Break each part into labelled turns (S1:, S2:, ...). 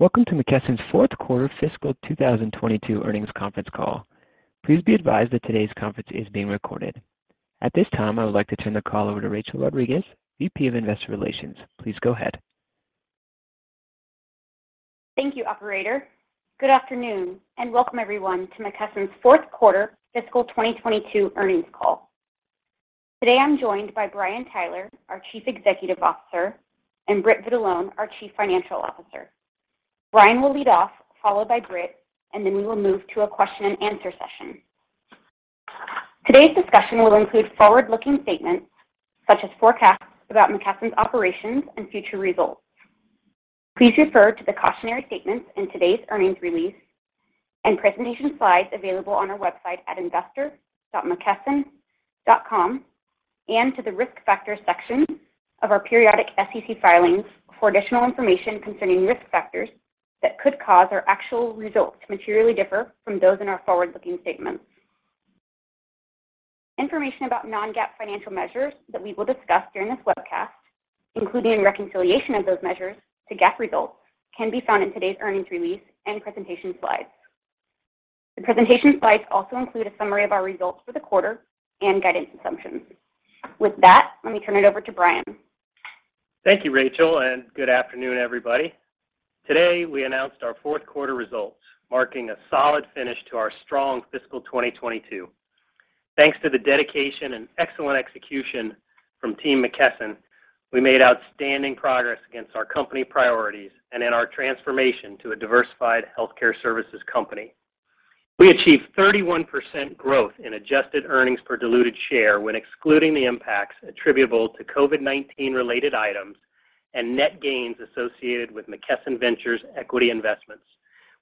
S1: Welcome to McKesson's fourth quarter fiscal 2022 earnings conference call. Please be advised that today's conference is being recorded. At this time, I would like to turn the call over to Rachel Rodriguez, VP of Investor Relations. Please go ahead.
S2: Thank you, operator. Good afternoon, and welcome everyone to McKesson's fourth quarter fiscal 2022 earnings call. Today I'm joined by Brian Tyler, our Chief Executive Officer, and Britt Vitalone, our Chief Financial Officer. Brian will lead off, followed by Britt, and then we will move to a question and answer session. Today's discussion will include forward-looking statements such as forecasts about McKesson's operations and future results. Please refer to the cautionary statements in today's earnings release and presentation slides available on our website at investor.mckesson.com and to the risk factors section of our periodic SEC filings for additional information concerning risk factors that could cause our actual results to materially differ from those in our forward-looking statements. Information about non-GAAP financial measures that we will discuss during this webcast, including reconciliation of those measures to GAAP results, can be found in today's earnings release and presentation slides. The presentation slides also include a summary of our results for the quarter and guidance assumptions. With that, let me turn it over to Brian.
S3: Thank you, Rachel, and good afternoon, everybody. Today, we announced our fourth quarter results, marking a solid finish to our strong fiscal 2022. Thanks to the dedication and excellent execution from Team McKesson, we made outstanding progress against our company priorities and in our transformation to a diversified healthcare services company. We achieved 31% growth in adjusted earnings per diluted share when excluding the impacts attributable to COVID-19 related items and net gains associated with McKesson Ventures equity investments.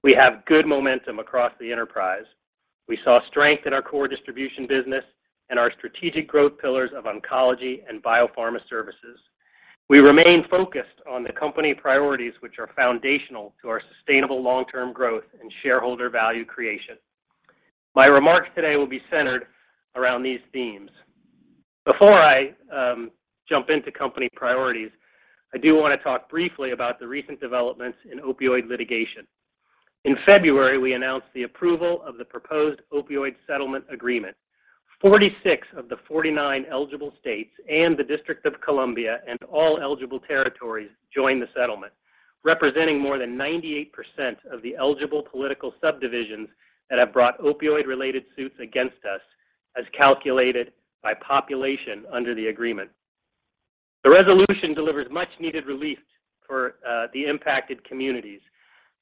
S3: We have good momentum across the enterprise. We saw strength in our core distribution business and our strategic growth pillars of oncology and biopharma services. We remain focused on the company priorities which are foundational to our sustainable long-term growth and shareholder value creation. My remarks today will be centered around these themes. Before I jump into company priorities, I do wanna talk briefly about the recent developments in opioid litigation. In February, we announced the approval of the proposed opioid settlement agreement. 46 of the 49 eligible states and the District of Columbia and all eligible territories joined the settlement, representing more than 98% of the eligible political subdivisions that have brought opioid-related suits against us as calculated by population under the agreement. The resolution delivers much needed relief for the impacted communities.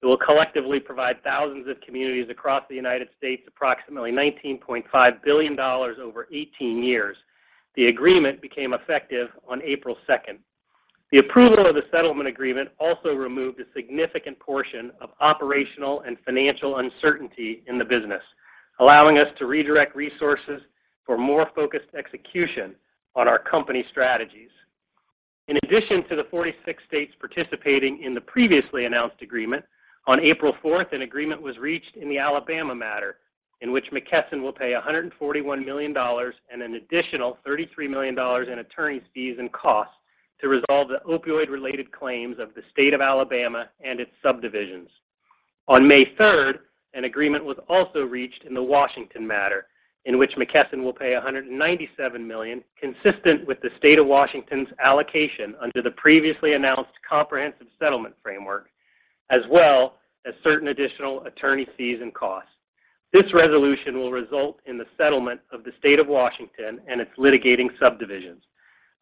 S3: It will collectively provide thousands of communities across the United States approximately $19.5 billion over 18 years. The agreement became effective on April second. The approval of the settlement agreement also removed a significant portion of operational and financial uncertainty in the business, allowing us to redirect resources for more focused execution on our company strategies. In addition to the 46 states participating in the previously announced agreement, on April 4, an agreement was reached in the Alabama matter in which McKesson will pay $141 million and an additional $33 million in attorney's fees and costs to resolve the opioid-related claims of the State of Alabama and its subdivisions. On May 3, an agreement was also reached in the Washington matter in which McKesson will pay $197 million consistent with the State of Washington's allocation under the previously announced comprehensive settlement framework, as well as certain additional attorney fees and costs. This resolution will result in the settlement of the State of Washington and its litigating subdivisions.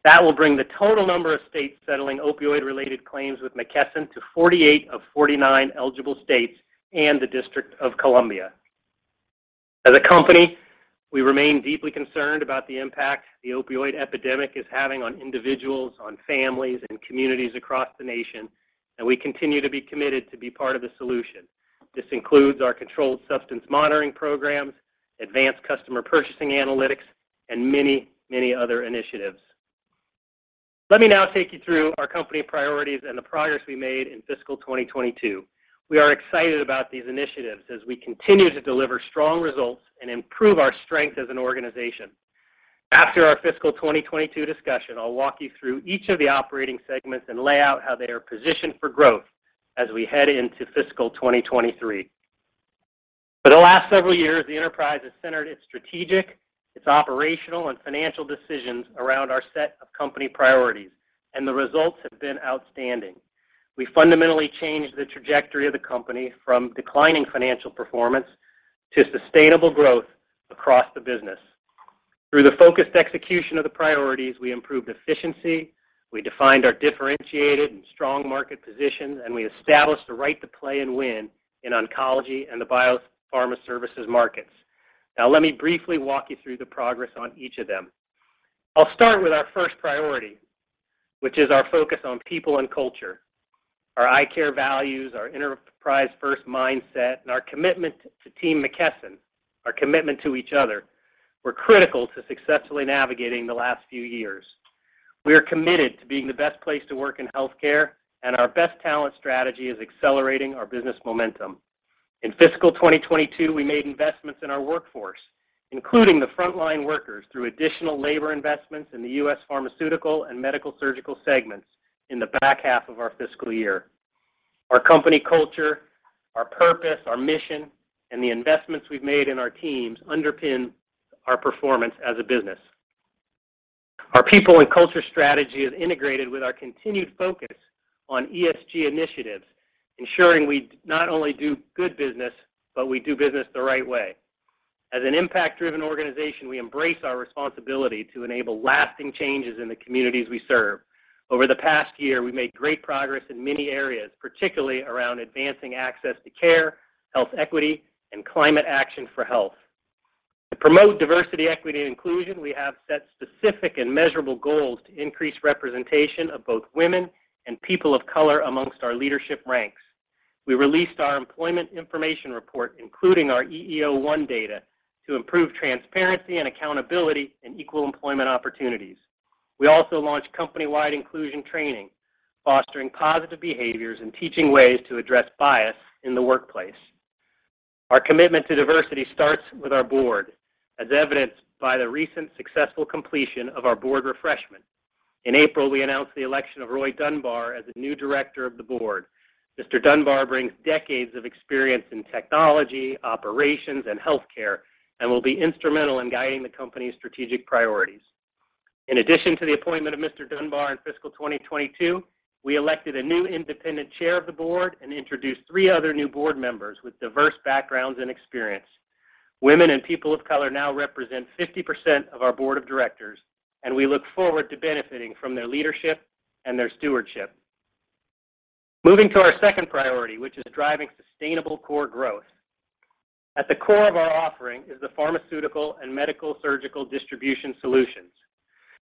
S3: That will bring the total number of states settling opioid-related claims with McKesson to 48 of 49 eligible states and the District of Columbia. As a company, we remain deeply concerned about the impact the opioid epidemic is having on individuals, on families, and communities across the nation, and we continue to be committed to be part of the solution. This includes our controlled substance monitoring programs, advanced customer purchasing analytics, and many, many other initiatives. Let me now take you through our company priorities and the progress we made in fiscal 2022. We are excited about these initiatives as we continue to deliver strong results and improve our strength as an organization. After our fiscal 2022 discussion, I'll walk you through each of the operating segments and lay out how they are positioned for growth as we head into fiscal 2023. For the last several years, the enterprise has centered its strategic, its operational, and financial decisions around our set of company priorities, and the results have been outstanding. We fundamentally changed the trajectory of the company from declining financial performance to sustainable growth across the business. Through the focused execution of the priorities, we improved efficiency, we defined our differentiated and strong market positions, and we established the right to play and win in oncology and the biopharma services markets. Now, let me briefly walk you through the progress on each of them. I'll start with our first priority, which is our focus on people and culture. Our ICARE values, our enterprise-first mindset, and our commitment to Team McKesson, our commitment to each other, were critical to successfully navigating the last few years. We are committed to being the best place to work in healthcare, and our best talent strategy is accelerating our business momentum. In fiscal 2022, we made investments in our workforce, including the frontline workers, through additional labor investments in the U.S. Pharmaceutical and Medical-Surgical segments in the back half of our fiscal year. Our company culture, our purpose, our mission, and the investments we've made in our teams underpin our performance as a business. Our people and culture strategy is integrated with our continued focus on ESG initiatives, ensuring we not only do good business, but we do business the right way. As an impact-driven organization, we embrace our responsibility to enable lasting changes in the communities we serve. Over the past year, we made great progress in many areas, particularly around advancing access to care, health equity, and climate action for health. To promote diversity, equity, and inclusion, we have set specific and measurable goals to increase representation of both women and people of color among our leadership ranks. We released our employment information report, including our EEO1 data, to improve transparency and accountability in equal employment opportunities. We also launched company-wide inclusion training, fostering positive behaviors and teaching ways to address bias in the workplace. Our commitment to diversity starts with our board, as evidenced by the recent successful completion of our board refreshment. In April, we announced the election of Roy Dunbar as the new director of the board. Mr. Dunbar brings decades of experience in technology, operations, and healthcare, and will be instrumental in guiding the company's strategic priorities. In addition to the appointment of Mr. Dunbar in fiscal 2022, we elected a new independent chair of the board and introduced three other new board members with diverse backgrounds and experience. Women and people of color now represent 50% of our board of directors, and we look forward to benefiting from their leadership and their stewardship. Moving to our second priority, which is driving sustainable core growth. At the core of our offering is the pharmaceutical and Medical-Surgical distribution solutions.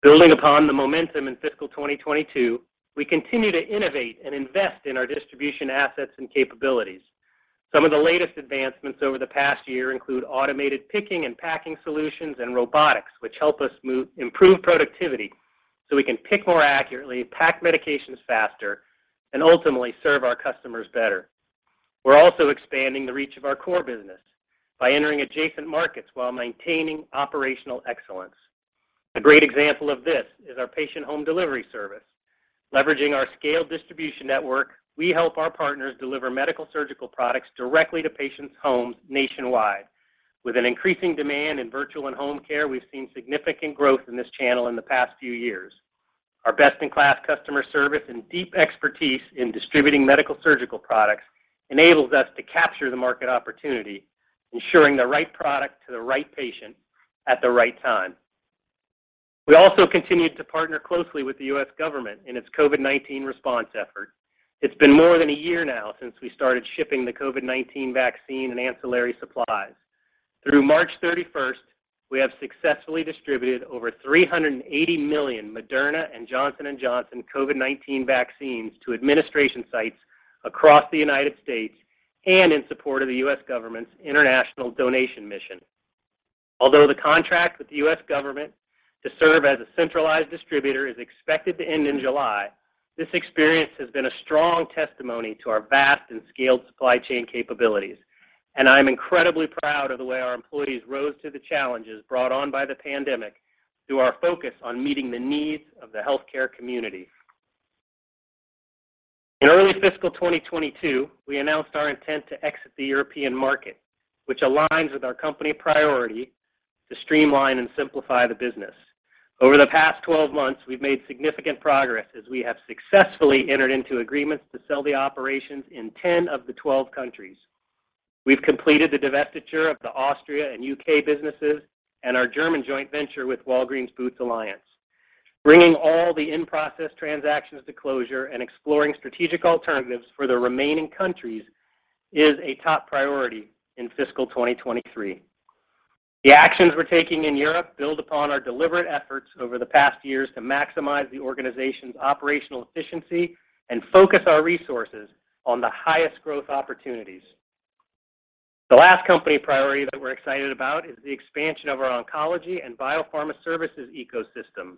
S3: Building upon the momentum in fiscal 2022, we continue to innovate and invest in our distribution assets and capabilities. Some of the latest advancements over the past year include automated picking and packing solutions and robotics, which help us improve productivity, so we can pick more accurately, pack medications faster, and ultimately serve our customers better. We're also expanding the reach of our core business by entering adjacent markets while maintaining operational excellence. A great example of this is our patient home delivery service. Leveraging our scaled distribution network, we help our partners deliver Medical-Surgical products directly to patients' homes nationwide. With an increasing demand in virtual and home care, we've seen significant growth in this channel in the past few years. Our best-in-class customer service and deep expertise in distributing Medical-Surgical products enables us to capture the market opportunity, ensuring the right product to the right patient at the right time. We also continued to partner closely with the U.S. government in its COVID-19 response effort. It's been more than a year now since we started shipping the COVID-19 vaccine and ancillary supplies. Through March 31st, we have successfully distributed over 380 million Moderna and Johnson & Johnson COVID-19 vaccines to administration sites across the United States and in support of the U.S. government's international donation mission. Although the contract with the U.S. government to serve as a centralized distributor is expected to end in July, this experience has been a strong testimony to our vast and scaled supply chain capabilities. I'm incredibly proud of the way our employees rose to the challenges brought on by the pandemic through our focus on meeting the needs of the healthcare community. In early fiscal 2022, we announced our intent to exit the European market, which aligns with our company priority to streamline and simplify the business. Over the past 12 months, we've made significant progress as we have successfully entered into agreements to sell the operations in 10 of the 12 countries. We've completed the divestiture of the Austrian and UK businesses and our German joint venture with Walgreens Boots Alliance. Bringing all the in-process transactions to closure and exploring strategic alternatives for the remaining countries is a top priority in fiscal 2023. The actions we're taking in Europe build upon our deliberate efforts over the past years to maximize the organization's operational efficiency and focus our resources on the highest growth opportunities. The last company priority that we're excited about is the expansion of our oncology and biopharma services ecosystems.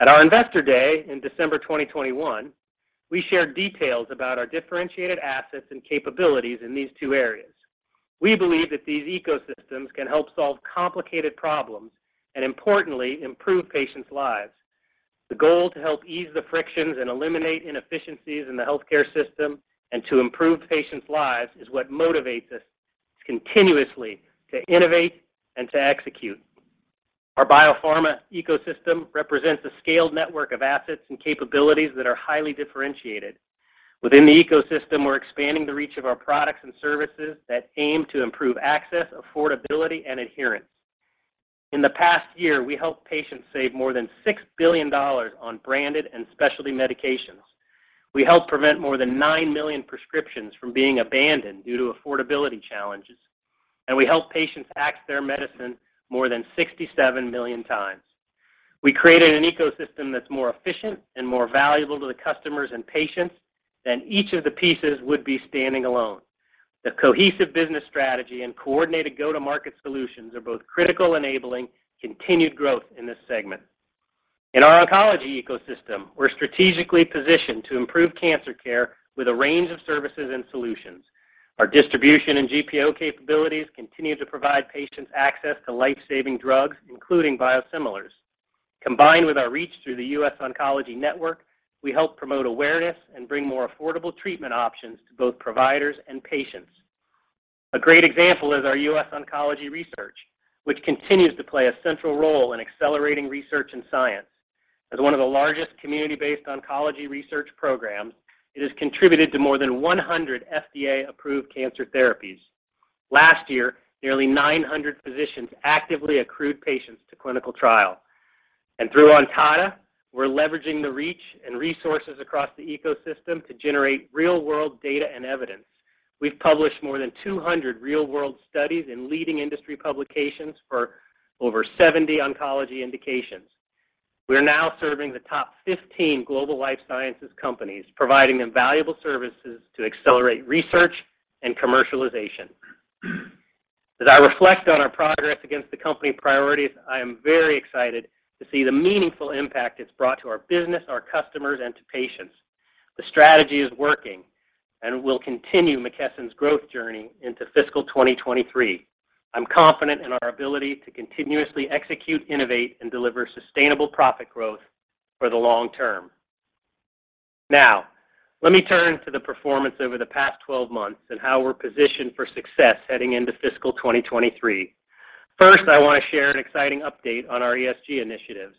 S3: At our Investor Day in December 2021, we shared details about our differentiated assets and capabilities in these two areas. We believe that these ecosystems can help solve complicated problems and, importantly, improve patients' lives. The goal to help ease the frictions and eliminate inefficiencies in the healthcare system and to improve patients' lives is what motivates us continuously to innovate and to execute. Our biopharma ecosystem represents a scaled network of assets and capabilities that are highly differentiated. Within the ecosystem, we're expanding the reach of our products and services that aim to improve access, affordability, and adherence. In the past year, we helped patients save more than $6 billion on branded and specialty medications. We helped prevent more than 9 million prescriptions from being abandoned due to affordability challenges. We helped patients access their medicine more than 67 million times. We created an ecosystem that's more efficient and more valuable to the customers and patients than each of the pieces would be standing alone. The cohesive business strategy and coordinated go-to-market solutions are both critical enabling continued growth in this segment. In our oncology ecosystem, we're strategically positioned to improve cancer care with a range of services and solutions. Our distribution and GPO capabilities continue to provide patients access to life-saving drugs, including biosimilars. Combined with our reach through the U.S. Oncology Network, we help promote awareness and bring more affordable treatment options to both providers and patients. A great example is our U.S. Oncology Research, which continues to play a central role in accelerating research and science. As one of the largest community-based oncology research programs, it has contributed to more than 100 FDA-approved cancer therapies. Last year, nearly 900 physicians actively accrued patients to clinical trial. Through Ontada, we're leveraging the reach and resources across the ecosystem to generate real-world data and evidence. We've published more than 200 real-world studies in leading industry publications for over 70 oncology indications. We're now serving the top 15 global life sciences companies, providing them valuable services to accelerate research and commercialization. As I reflect on our progress against the company priorities, I am very excited to see the meaningful impact it's brought to our business, our customers, and to patients. The strategy is working, and will continue McKesson's growth journey into fiscal 2023. I'm confident in our ability to continuously execute, innovate, and deliver sustainable profit growth for the long term. Now, let me turn to the performance over the past 12 months and how we're positioned for success heading into fiscal 2023. First, I want to share an exciting update on our ESG initiatives.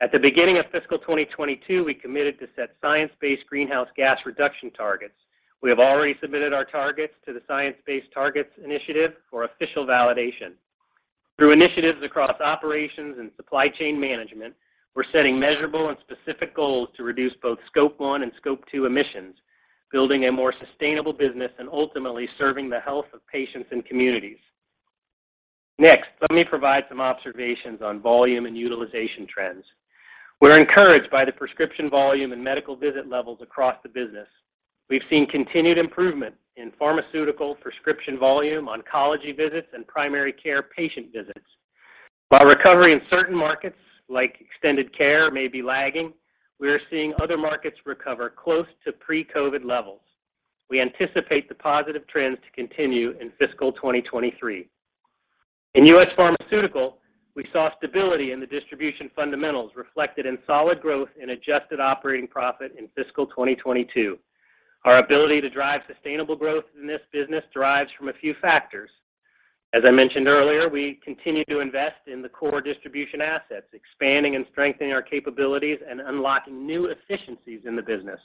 S3: At the beginning of fiscal 2022, we committed to set science-based greenhouse gas reduction targets. We have already submitted our targets to the Science Based Targets initiative for official validation. Through initiatives across operations and supply chain management, we're setting measurable and specific goals to reduce both Scope 1 and Scope 2 emissions, building a more sustainable business and ultimately serving the health of patients and communities. Next, let me provide some observations on volume and utilization trends. We're encouraged by the prescription volume and medical visit levels across the business. We've seen continued improvement in pharmaceutical prescription volume, oncology visits, and primary care patient visits. While recovery in certain markets like extended care may be lagging, we are seeing other markets recover close to pre-COVID levels. We anticipate the positive trends to continue in fiscal 2023. In U.S. Pharmaceutical, we saw stability in the distribution fundamentals reflected in solid growth in adjusted operating profit in fiscal 2022. Our ability to drive sustainable growth in this business derives from a few factors. As I mentioned earlier, we continue to invest in the core distribution assets, expanding and strengthening our capabilities and unlocking new efficiencies in the business.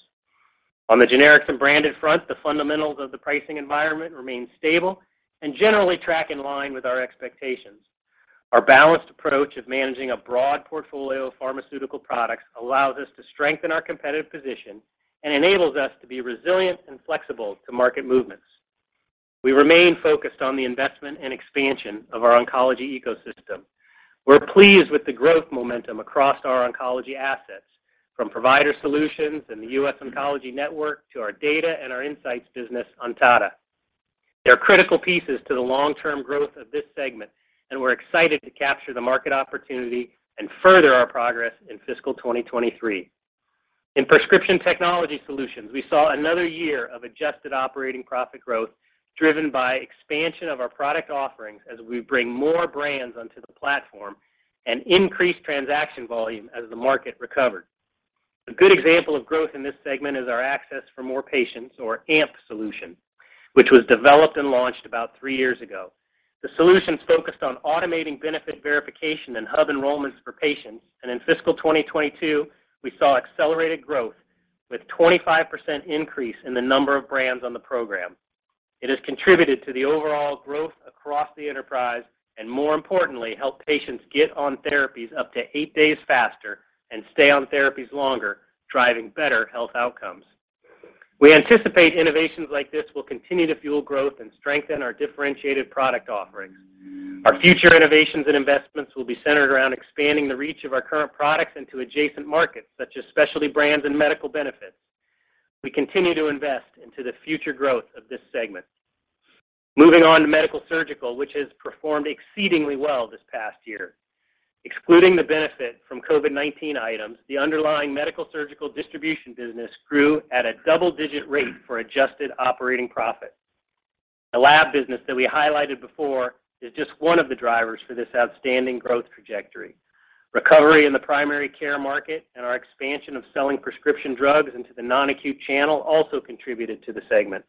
S3: On the generics and branded front, the fundamentals of the pricing environment remain stable and generally track in line with our expectations. Our balanced approach of managing a broad portfolio of pharmaceutical products allows us to strengthen our competitive position and enables us to be resilient and flexible to market movements. We remain focused on the investment and expansion of our oncology ecosystem. We're pleased with the growth momentum across our oncology assets from provider solutions in the US Oncology Network to our data and our insights business, Ontada. They're critical pieces to the long-term growth of this segment, and we're excited to capture the market opportunity and further our progress in fiscal 2023. In Prescription Technology Solutions, we saw another year of adjusted operating profit growth driven by expansion of our product offerings as we bring more brands onto the platform and increase transaction volume as the market recovered. A good example of growth in this segment is our Access for More Patients, or AMP solution, which was developed and launched about three years ago. The solution's focused on automating benefit verification and hub enrollments for patients. In fiscal 2022, we saw accelerated growth with 25% increase in the number of brands on the program. It has contributed to the overall growth across the enterprise and, more importantly, helped patients get on therapies up to eight days faster and stay on therapies longer, driving better health outcomes. We anticipate innovations like this will continue to fuel growth and strengthen our differentiated product offerings. Our future innovations and investments will be centered around expanding the reach of our current products into adjacent markets such as specialty brands and medical benefits. We continue to invest into the future growth of this segment. Moving on to Medical-Surgical, which has performed exceedingly well this past year. Excluding the benefit from COVID-19 items, the underlying medical-surgical distribution business grew at a double-digit rate for adjusted operating profit. The lab business that we highlighted before is just one of the drivers for this outstanding growth trajectory. Recovery in the primary care market and our expansion of selling prescription drugs into the non-acute channel also contributed to the segment.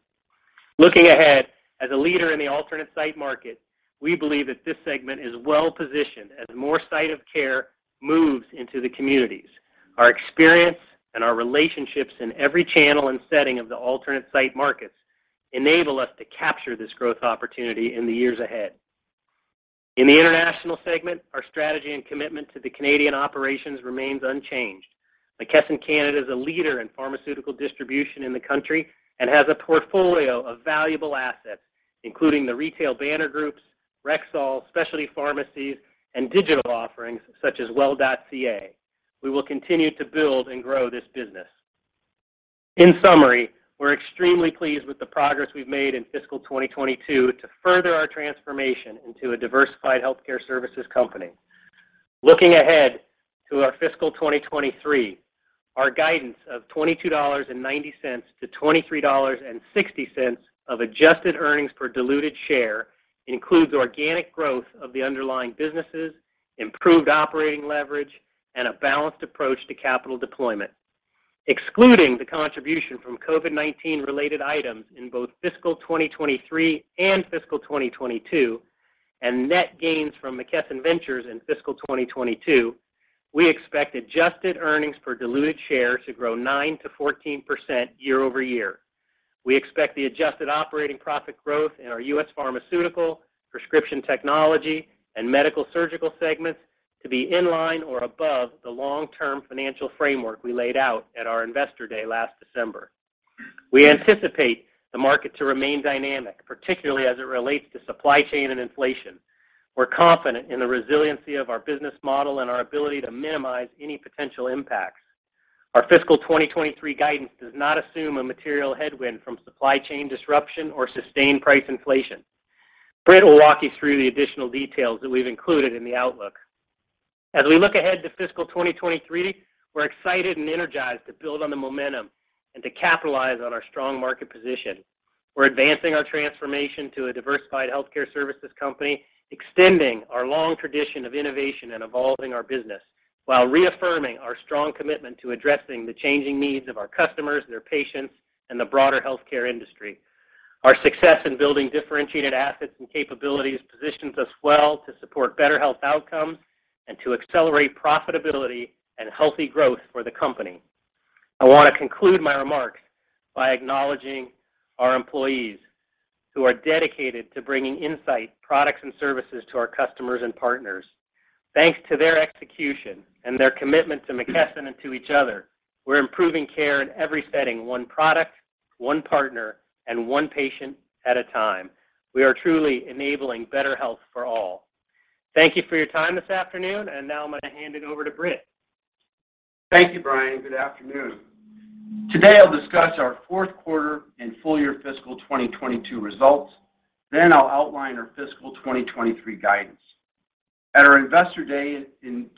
S3: Looking ahead, as a leader in the alternate site market, we believe that this segment is well-positioned as more site of care moves into the communities. Our experience and our relationships in every channel and setting of the alternate site markets enable us to capture this growth opportunity in the years ahead. In the international segment, our strategy and commitment to the Canadian operations remains unchanged. McKesson Canada is a leader in pharmaceutical distribution in the country and has a portfolio of valuable assets, including the retail banner groups, Rexall, specialty pharmacies, and digital offerings such as Well.ca. We will continue to build and grow this business. In summary, we're extremely pleased with the progress we've made in fiscal 2022 to further our transformation into a diversified healthcare services company. Looking ahead to our fiscal 2023, our guidance of $22.90-$23.60 of adjusted earnings per diluted share includes organic growth of the underlying businesses, improved operating leverage, and a balanced approach to capital deployment. Excluding the contribution from COVID-19 related items in both fiscal 2023 and fiscal 2022 and net gains from McKesson Ventures in fiscal 2022, we expect adjusted earnings per diluted share to grow 9%-14% year-over-year. We expect the adjusted operating profit growth in our U.S. Pharmaceutical, Prescription Technology, and Medical-Surgical segments to be in line or above the long-term financial framework we laid out at our Investor Day last December. We anticipate the market to remain dynamic, particularly as it relates to supply chain and inflation. We're confident in the resiliency of our business model and our ability to minimize any potential impacts. Our fiscal 2023 guidance does not assume a material headwind from supply chain disruption or sustained price inflation. Britt will walk you through the additional details that we've included in the outlook. As we look ahead to fiscal 2023, we're excited and energized to build on the momentum and to capitalize on our strong market position. We're advancing our transformation to a diversified healthcare services company, extending our long tradition of innovation and evolving our business while reaffirming our strong commitment to addressing the changing needs of our customers, their patients, and the broader healthcare industry. Our success in building differentiated assets and capabilities positions us well to support better health outcomes and to accelerate profitability and healthy growth for the company. I want to conclude my remarks by acknowledging our employees who are dedicated to bringing insight, products, and services to our customers and partners. Thanks to their execution and their commitment to McKesson and to each other, we're improving care in every setting, one product, one partner, and one patient at a time. We are truly enabling better health for all. Thank you for your time this afternoon, and now I'm going to hand it over to Britt Vitalone.
S4: Thank you, Brian. Good afternoon. Today, I'll discuss our fourth quarter and full year fiscal 2022 results. Then I'll outline our fiscal 2023 guidance. At our Investor Day in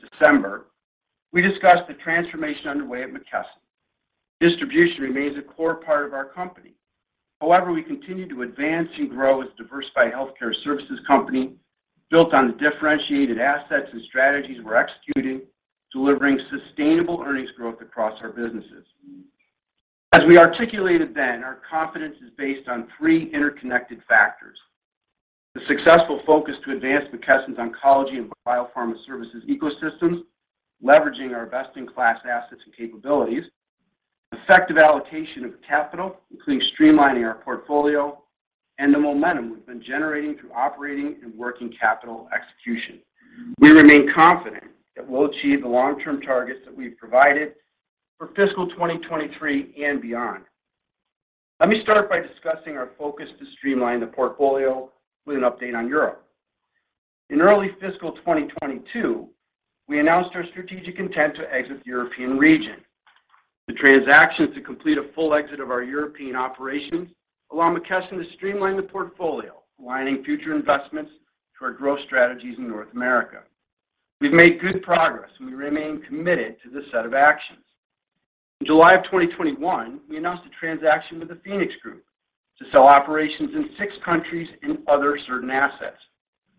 S4: December, we discussed the transformation underway at McKesson. Distribution remains a core part of our company. However, we continue to advance and grow as a diversified healthcare services company built on the differentiated assets and strategies we're executing, delivering sustainable earnings growth across our businesses. As we articulated then, our confidence is based on three interconnected factors. The successful focus to advance McKesson's oncology and biopharma services ecosystems, leveraging our best-in-class assets and capabilities. Effective allocation of capital, including streamlining our portfolio. The momentum we've been generating through operating and working capital execution. We remain confident that we'll achieve the long-term targets that we've provided for fiscal 2023 and beyond. Let me start by discussing our focus to streamline the portfolio with an update on Europe. In early fiscal 2022, we announced our strategic intent to exit the European region. The transaction to complete a full exit of our European operations allow McKesson to streamline the portfolio, aligning future investments to our growth strategies in North America. We've made good progress, and we remain committed to this set of actions. In July of 2021, we announced a transaction with the PHOENIX group to sell operations in six countries and other certain assets.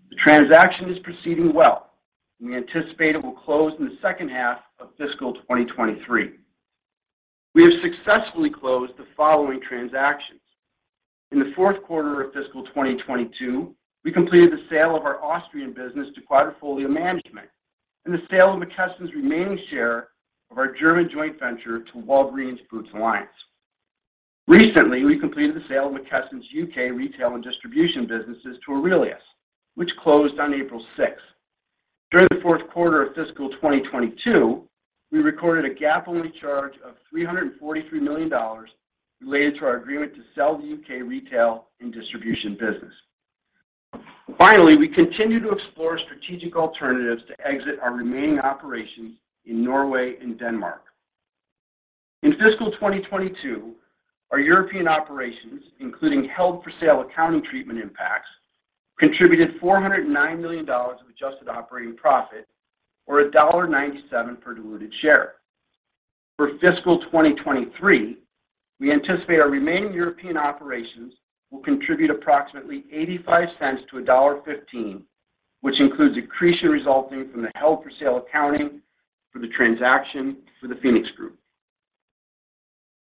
S4: The transaction is proceeding well, and we anticipate it will close in the second half of fiscal 2023. We have successfully closed the following transactions. In the fourth quarter of fiscal 2022, we completed the sale of our Austrian business to Quadrifolia Management GmbH and the sale of McKesson's remaining share of our German joint venture to Walgreens Boots Alliance. Recently, we completed the sale of McKesson's U.K. retail and distribution businesses to AURELIUS, which closed on April 6th. During the fourth quarter of fiscal 2022, we recorded a GAAP-only charge of $343 million related to our agreement to sell the U.K. retail and distribution business. Finally, we continue to explore strategic alternatives to exit our remaining operations in Norway and Denmark. In fiscal 2022, our European operations, including held for sale accounting treatment impacts, contributed $409 million of adjusted operating profit or $1.97 per diluted share. For fiscal 2023, we anticipate our remaining European operations will contribute approximately $0.85-$1.15, which includes accretion resulting from the held for sale accounting for the transaction for the PHOENIX group.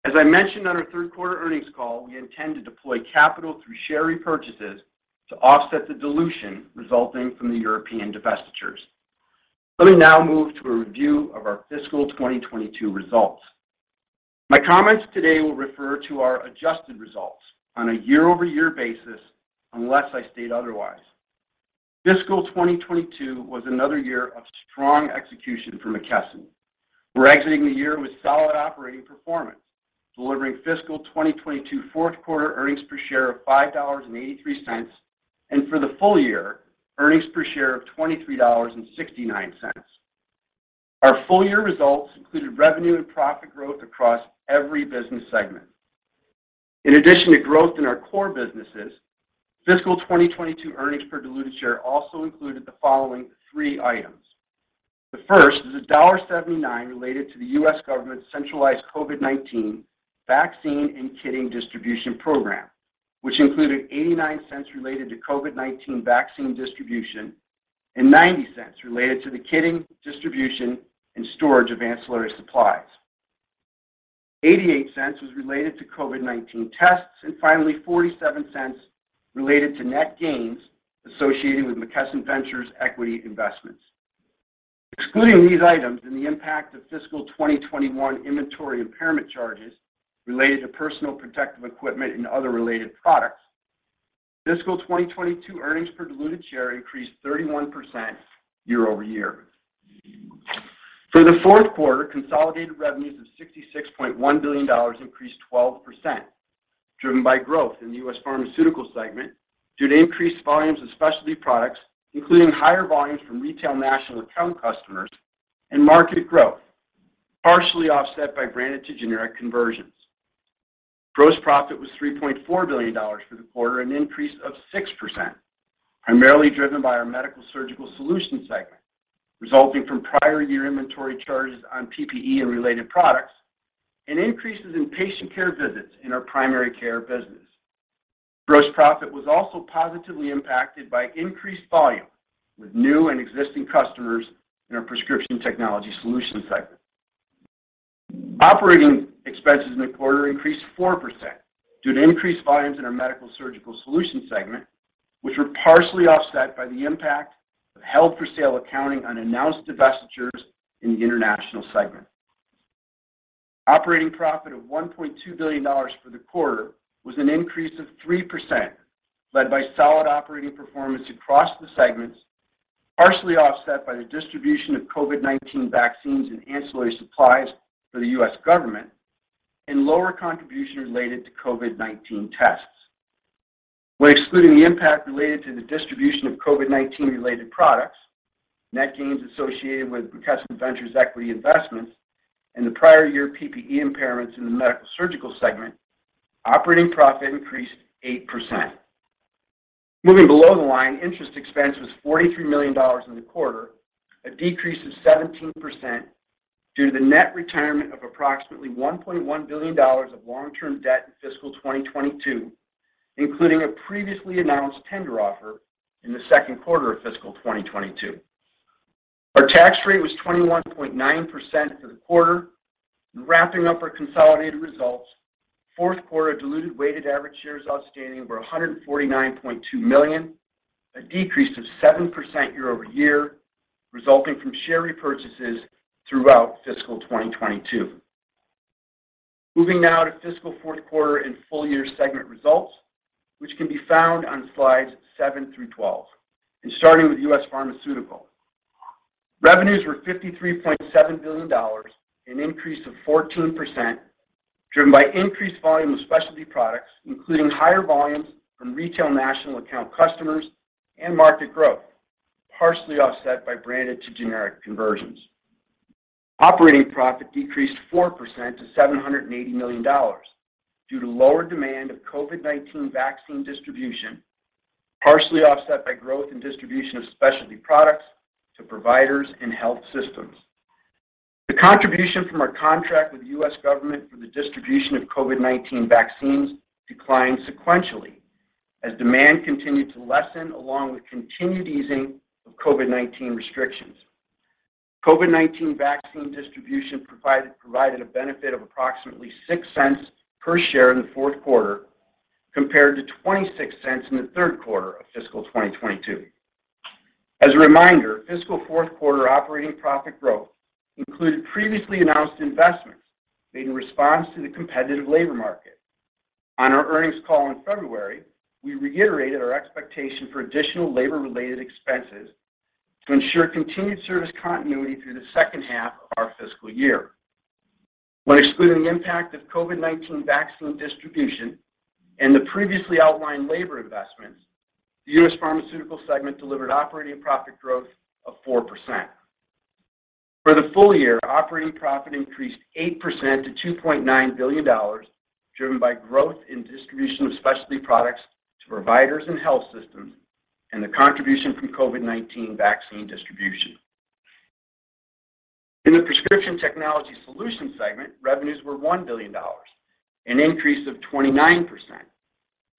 S4: As I mentioned on our third quarter earnings call, we intend to deploy capital through share repurchases to offset the dilution resulting from the European divestitures. Let me now move to a review of our fiscal 2022 results. My comments today will refer to our adjusted results on a year-over-year basis unless I state otherwise. Fiscal 2022 was another year of strong execution for McKesson. We're exiting the year with solid operating performance, delivering fiscal 2022 fourth quarter earnings per share of $5.83, and for the full year, earnings per share of $23.69. Our full-year results included revenue and profit growth across every business segment. In addition to growth in our core businesses, fiscal 2022 earnings per diluted share also included the following three items. The first is $1.79 related to the U.S. government's centralized COVID-19 vaccine and kitting distribution program, which included $0.89 related to COVID-19 vaccine distribution and $0.90 related to the kitting, distribution, and storage of ancillary supplies. $0.88 was related to COVID-19 tests, and finally, $0.47 related to net gains associated with McKesson Ventures equity investments. Excluding these items and the impact of fiscal 2021 inventory impairment charges related to personal protective equipment and other related products, fiscal 2022 earnings per diluted share increased 31% year-over-year. For the fourth quarter, consolidated revenues of $66.1 billion increased 12%, driven by growth in the U.S. Pharmaceutical segment due to increased volumes of specialty products, including higher volumes from retail national account customers and market growth, partially offset by branded to generic conversions. Gross profit was $3.4 billion for the quarter, an increase of 6%, primarily driven by our Medical-Surgical Solutions segment, resulting from prior year inventory charges on PPE and related products, and increases in patient care visits in our primary care business. Gross profit was also positively impacted by increased volume with new and existing customers in our Prescription Technology Solutions segment. Operating expenses in the quarter increased 4% due to increased volumes in our Medical-Surgical Solutions segment, which were partially offset by the impact of held-for-sale accounting on announced divestitures in the International segment. Operating profit of $1.2 billion for the quarter was an increase of 3%, led by solid operating performance across the segments, partially offset by the distribution of COVID-19 vaccines and ancillary supplies for the U.S. government and lower contribution related to COVID-19 tests. When excluding the impact related to the distribution of COVID-19-related products, net gains associated with McKesson Ventures equity investments, and the prior year PPE impairments in the Medical-Surgical segment, operating profit increased 8%. Moving below the line, interest expense was $43 million in the quarter, a decrease of 17% due to the net retirement of approximately $1.1 billion of long-term debt in fiscal 2022, including a previously announced tender offer in the second quarter of fiscal 2022. Our tax rate was 21.9% for the quarter. Wrapping up our consolidated results, fourth quarter diluted weighted average shares outstanding were 149.2 million, a decrease of 7% year-over-year, resulting from share repurchases throughout fiscal 2022. Moving now to fiscal fourth quarter and full year segment results, which can be found on slides seven through 12, and starting with U.S. Pharmaceutical. Revenues were $53.7 billion, an increase of 14%, driven by increased volume of specialty products, including higher volumes from retail national account customers and market growth, partially offset by branded to generic conversions. Operating profit decreased 4% to $780 million due to lower demand of COVID-19 vaccine distribution, partially offset by growth in distribution of specialty products to providers and health systems. The contribution from our contract with the U.S. government for the distribution of COVID-19 vaccines declined sequentially as demand continued to lessen along with continued easing of COVID-19 restrictions. COVID-19 vaccine distribution provided a benefit of approximately $0.06 per share in the fourth quarter compared to $0.26 in the third quarter of fiscal 2022. As a reminder, fiscal fourth quarter operating profit growth included previously announced investments made in response to the competitive labor market. On our earnings call in February, we reiterated our expectation for additional labor-related expenses to ensure continued service continuity through the second half of our fiscal year. When excluding the impact of COVID-19 vaccine distribution and the previously outlined labor investments, the U.S. Pharmaceutical segment delivered operating profit growth of 4%. For the full year, operating profit increased 8% to $2.9 billion, driven by growth in distribution of specialty products to providers and health systems and the contribution from COVID-19 vaccine distribution. In the Prescription Technology Solutions segment, revenues were $1 billion, an increase of 29%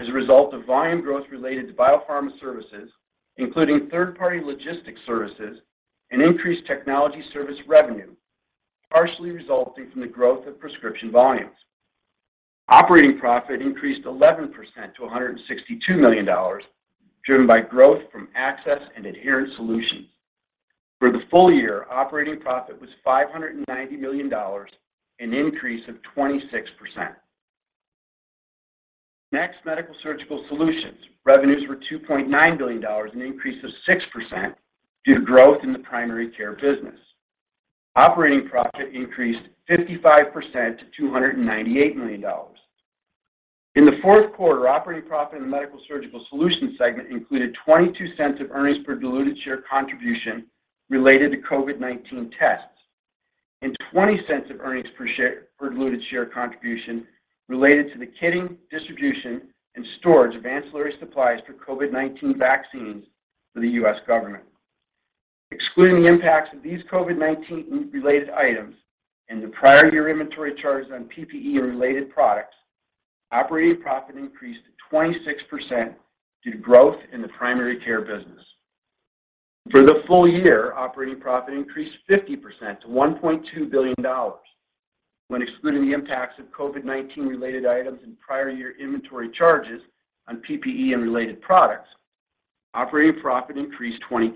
S4: as a result of volume growth related to biopharma services, including third-party logistics services and increased technology service revenue, partially resulting from the growth of prescription volumes. Operating profit increased 11% to $162 million, driven by growth from access and adherence solutions. For the full year, operating profit was $590 million, an increase of 26%. Next, Medical-Surgical Solutions. Revenues were $2.9 billion, an increase of 6% due to growth in the primary care business. Operating profit increased 55% to $298 million. In the fourth quarter, operating profit in the Medical-Surgical Solutions segment included $0.22 of earnings per diluted share contribution related to COVID-19 tests and $0.20 of earnings per diluted share contribution related to the kitting, distribution, and storage of ancillary supplies for COVID-19 vaccines for the U.S. government. Excluding the impacts of these COVID-19 related items and the prior year inventory charges on PPE and related products, operating profit increased 26% due to growth in the primary care business. For the full year, operating profit increased 50% to $1.2 billion. When excluding the impacts of COVID-19 related items and prior year inventory charges on PPE and related products, operating profit increased 22%.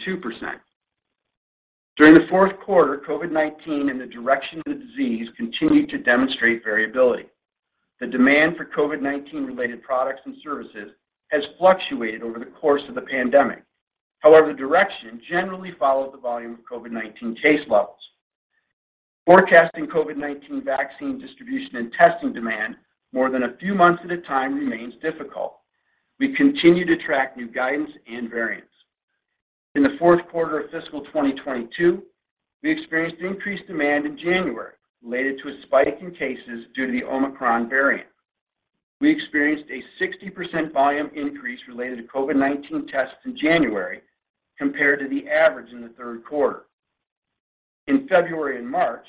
S4: During the fourth quarter, COVID-19 and the direction of the disease continued to demonstrate variability. The demand for COVID-19 related products and services has fluctuated over the course of the pandemic. However, direction generally follows the volume of COVID-19 case levels. Forecasting COVID-19 vaccine distribution and testing demand more than a few months at a time remains difficult. We continue to track new guidance and variants. In the fourth quarter of fiscal 2022, we experienced increased demand in January related to a spike in cases due to the Omicron variant. We experienced a 60% volume increase related to COVID-19 tests in January compared to the average in the third quarter. In February and March,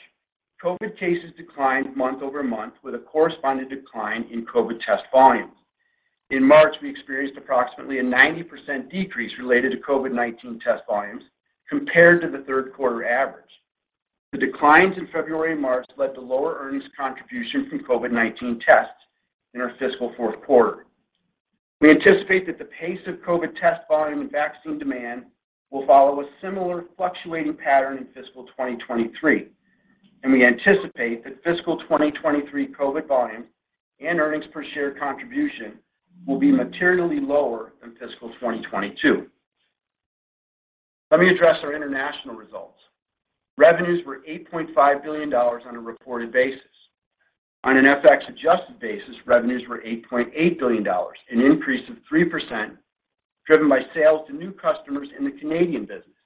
S4: COVID cases declined month over month with a corresponding decline in COVID test volumes. In March, we experienced approximately a 90% decrease related to COVID-19 test volumes compared to the third quarter average. The declines in February and March led to lower earnings contribution from COVID-19 tests in our fiscal fourth quarter. We anticipate that the pace of COVID test volume and vaccine demand will follow a similar fluctuating pattern in fiscal 2023, and we anticipate that fiscal 2023 COVID volumes and earnings per share contribution will be materially lower than fiscal 2022. Let me address our international results. Revenues were $8.5 billion on a reported basis. On an FX adjusted basis, revenues were $8.8 billion, an increase of 3% driven by sales to new customers in the Canadian business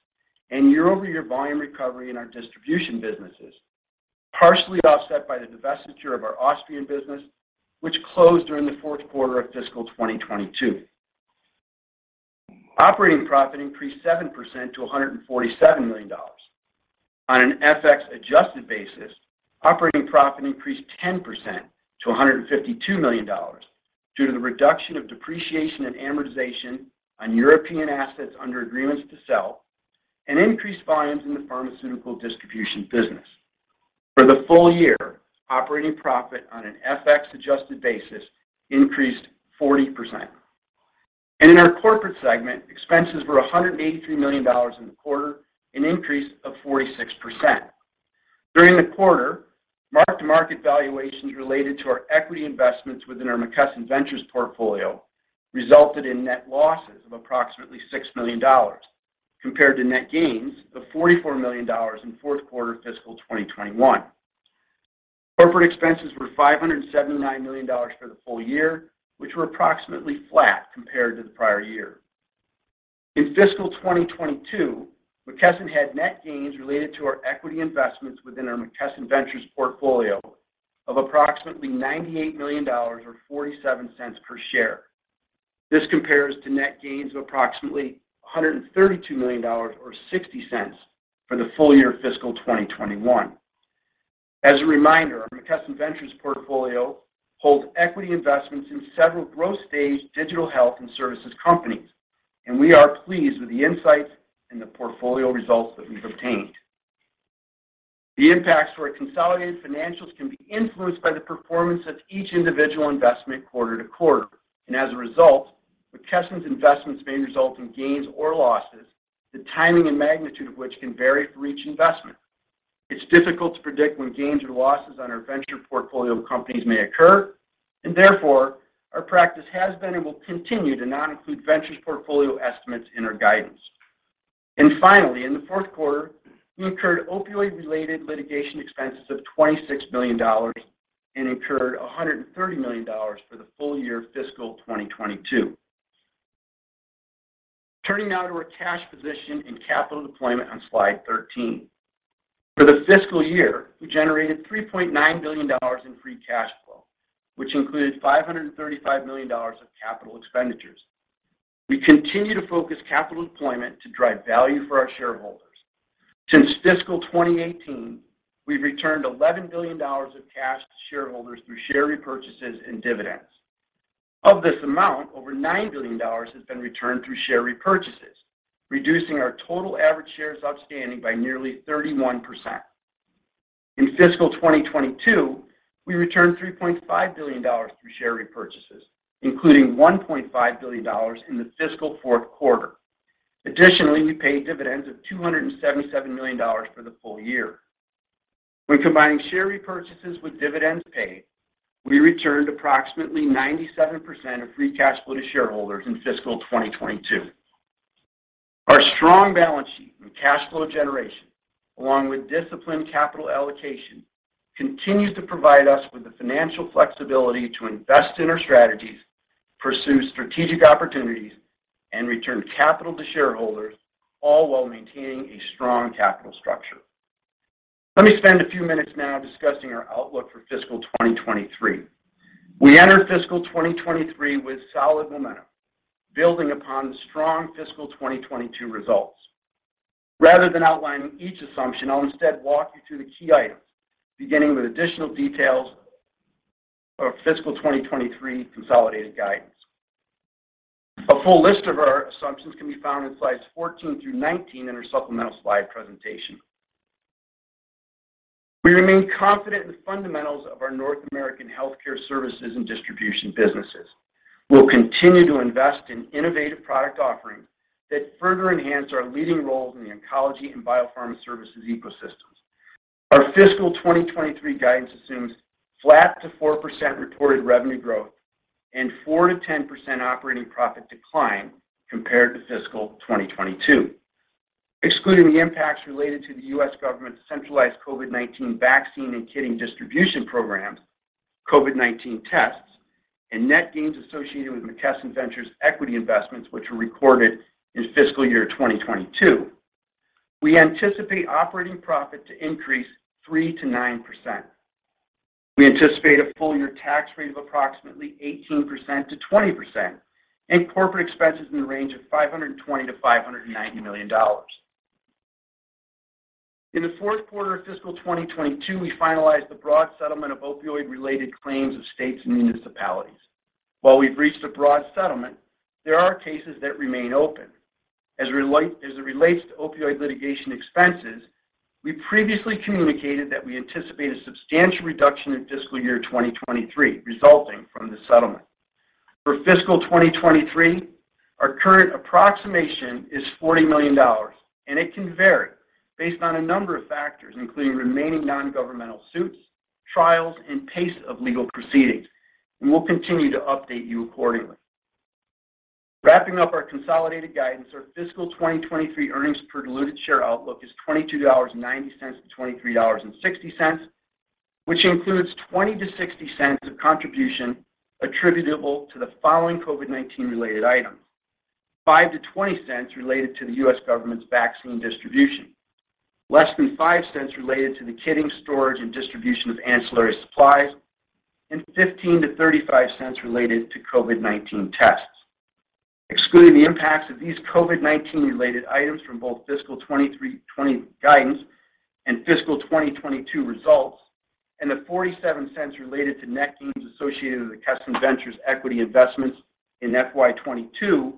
S4: and year-over-year volume recovery in our distribution businesses, partially offset by the divestiture of our Austrian business, which closed during the fourth quarter of fiscal 2022. Operating profit increased 7% to $147 million. On an FX adjusted basis, operating profit increased 10% to $152 million due to the reduction of depreciation and amortization on European assets under agreements to sell and increased volumes in the pharmaceutical distribution business. For the full year, operating profit on an FX adjusted basis increased 40%. In our corporate segment, expenses were $183 million in the quarter, an increase of 46%. During the quarter, mark-to-market valuations related to our equity investments within our McKesson Ventures portfolio resulted in net losses of approximately $6 million compared to net gains of $44 million in fourth quarter fiscal 2021. Corporate expenses were $579 million for the full year, which were approximately flat compared to the prior year. In fiscal 2022, McKesson had net gains related to our equity investments within our McKesson Ventures portfolio of approximately $98 million or $0.47 per share. This compares to net gains of approximately $132 million or $0.60 for the full year fiscal 2021. As a reminder, our McKesson Ventures portfolio holds equity investments in several growth stage digital health and services companies, and we are pleased with the insights and the portfolio results that we've obtained. The impacts to our consolidated financials can be influenced by the performance of each individual investment quarter to quarter. As a result, McKesson's investments may result in gains or losses, the timing and magnitude of which can vary for each investment. It's difficult to predict when gains or losses on our venture portfolio companies may occur, and therefore, our practice has been and will continue to not include ventures portfolio estimates in our guidance. Finally, in the fourth quarter, we incurred opioid-related litigation expenses of $26 million and incurred $130 million for the full year fiscal 2022. Turning now to our cash position and capital deployment on slide 13. For the fiscal year, we generated $3.9 billion in free cash flow, which included $535 million of capital expenditures. We continue to focus capital deployment to drive value for our shareholders. Since fiscal 2018, we've returned $11 billion of cash to shareholders through share repurchases and dividends. Of this amount, over $9 billion has been returned through share repurchases, reducing our total average shares outstanding by nearly 31%. In fiscal 2022, we returned $3.5 billion through share repurchases, including $1.5 billion in the fiscal fourth quarter. Additionally, we paid dividends of $277 million for the full year. When combining share repurchases with dividends paid, we returned approximately 97% of free cash flow to shareholders in fiscal 2022. Our strong balance sheet and cash flow generation, along with disciplined capital allocation, continues to provide us with the financial flexibility to invest in our strategies, pursue strategic opportunities, and return capital to shareholders, all while maintaining a strong capital structure. Let me spend a few minutes now discussing our outlook for fiscal 2023. We enter fiscal 2023 with solid momentum, building upon the strong fiscal 2022 results. Rather than outlining each assumption, I'll instead walk you through the key items, beginning with additional details of fiscal 2023 consolidated guidance. A full list of our assumptions can be found in slides 14 through 19 in our supplemental slide presentation. We remain confident in the fundamentals of our North American healthcare services and distribution businesses. We'll continue to invest in innovative product offerings that further enhance our leading roles in the oncology and biopharma services ecosystems. Our fiscal 2023 guidance assumes flat to 4% reported revenue growth and 4%-10% operating profit decline compared to fiscal 2022, excluding the impacts related to the U.S. government's centralized COVID-19 vaccine and kitting distribution programs, COVID-19 tests, and net gains associated with McKesson Ventures equity investments which were recorded in fiscal year 2022. We anticipate operating profit to increase 3%-9%. We anticipate a full-year tax rate of approximately 18%-20% and corporate expenses in the range of $520 million-$590 million. In the fourth quarter of fiscal 2022, we finalized the broad settlement of opioid-related claims of states and municipalities. While we've reached a broad settlement, there are cases that remain open. As it relates to opioid litigation expenses, we previously communicated that we anticipate a substantial reduction in fiscal year 2023 resulting from the settlement. For fiscal 2023, our current approximation is $40 million, and it can vary based on a number of factors, including remaining nongovernmental suits, trials, and pace of legal proceedings. We will continue to update you accordingly. Wrapping up our consolidated guidance, our fiscal 2023 earnings per diluted share outlook is $22.90-$23.60, which includes $0.20-$0.60 of contribution attributable to the following COVID-19 related items: $0.05-$0.20 related to the U.S. government's vaccine distribution, less $0.05 related to the kitting, storage, and distribution of ancillary supplies, and $0.15-$0.35 related to COVID-19 tests. Excluding the impacts of these COVID-19 related items from both fiscal 2023-22 guidance and fiscal 2022 results, and the $0.47 related to net gains associated with McKesson Ventures equity investments in FY 2022,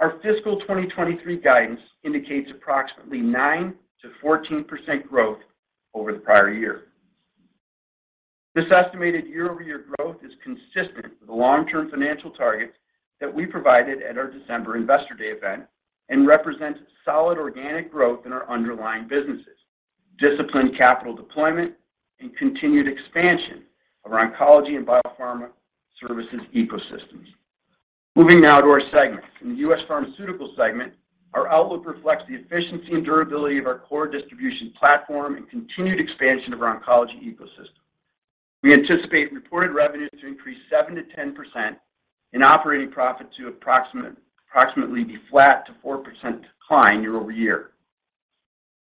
S4: our fiscal 2023 guidance indicates approximately 9%-14% growth over the prior year. This estimated year-over-year growth is consistent with the long-term financial targets that we provided at our December Investor Day event and represents solid organic growth in our underlying businesses, disciplined capital deployment, and continued expansion of our oncology and biopharma services ecosystems. Moving now to our segments. In the U.S. Pharmaceutical segment, our outlook reflects the efficiency and durability of our core distribution platform and continued expansion of our oncology ecosystem. We anticipate reported revenue to increase 7%-10% and operating profit to be approximately flat to 4% decline year-over-year.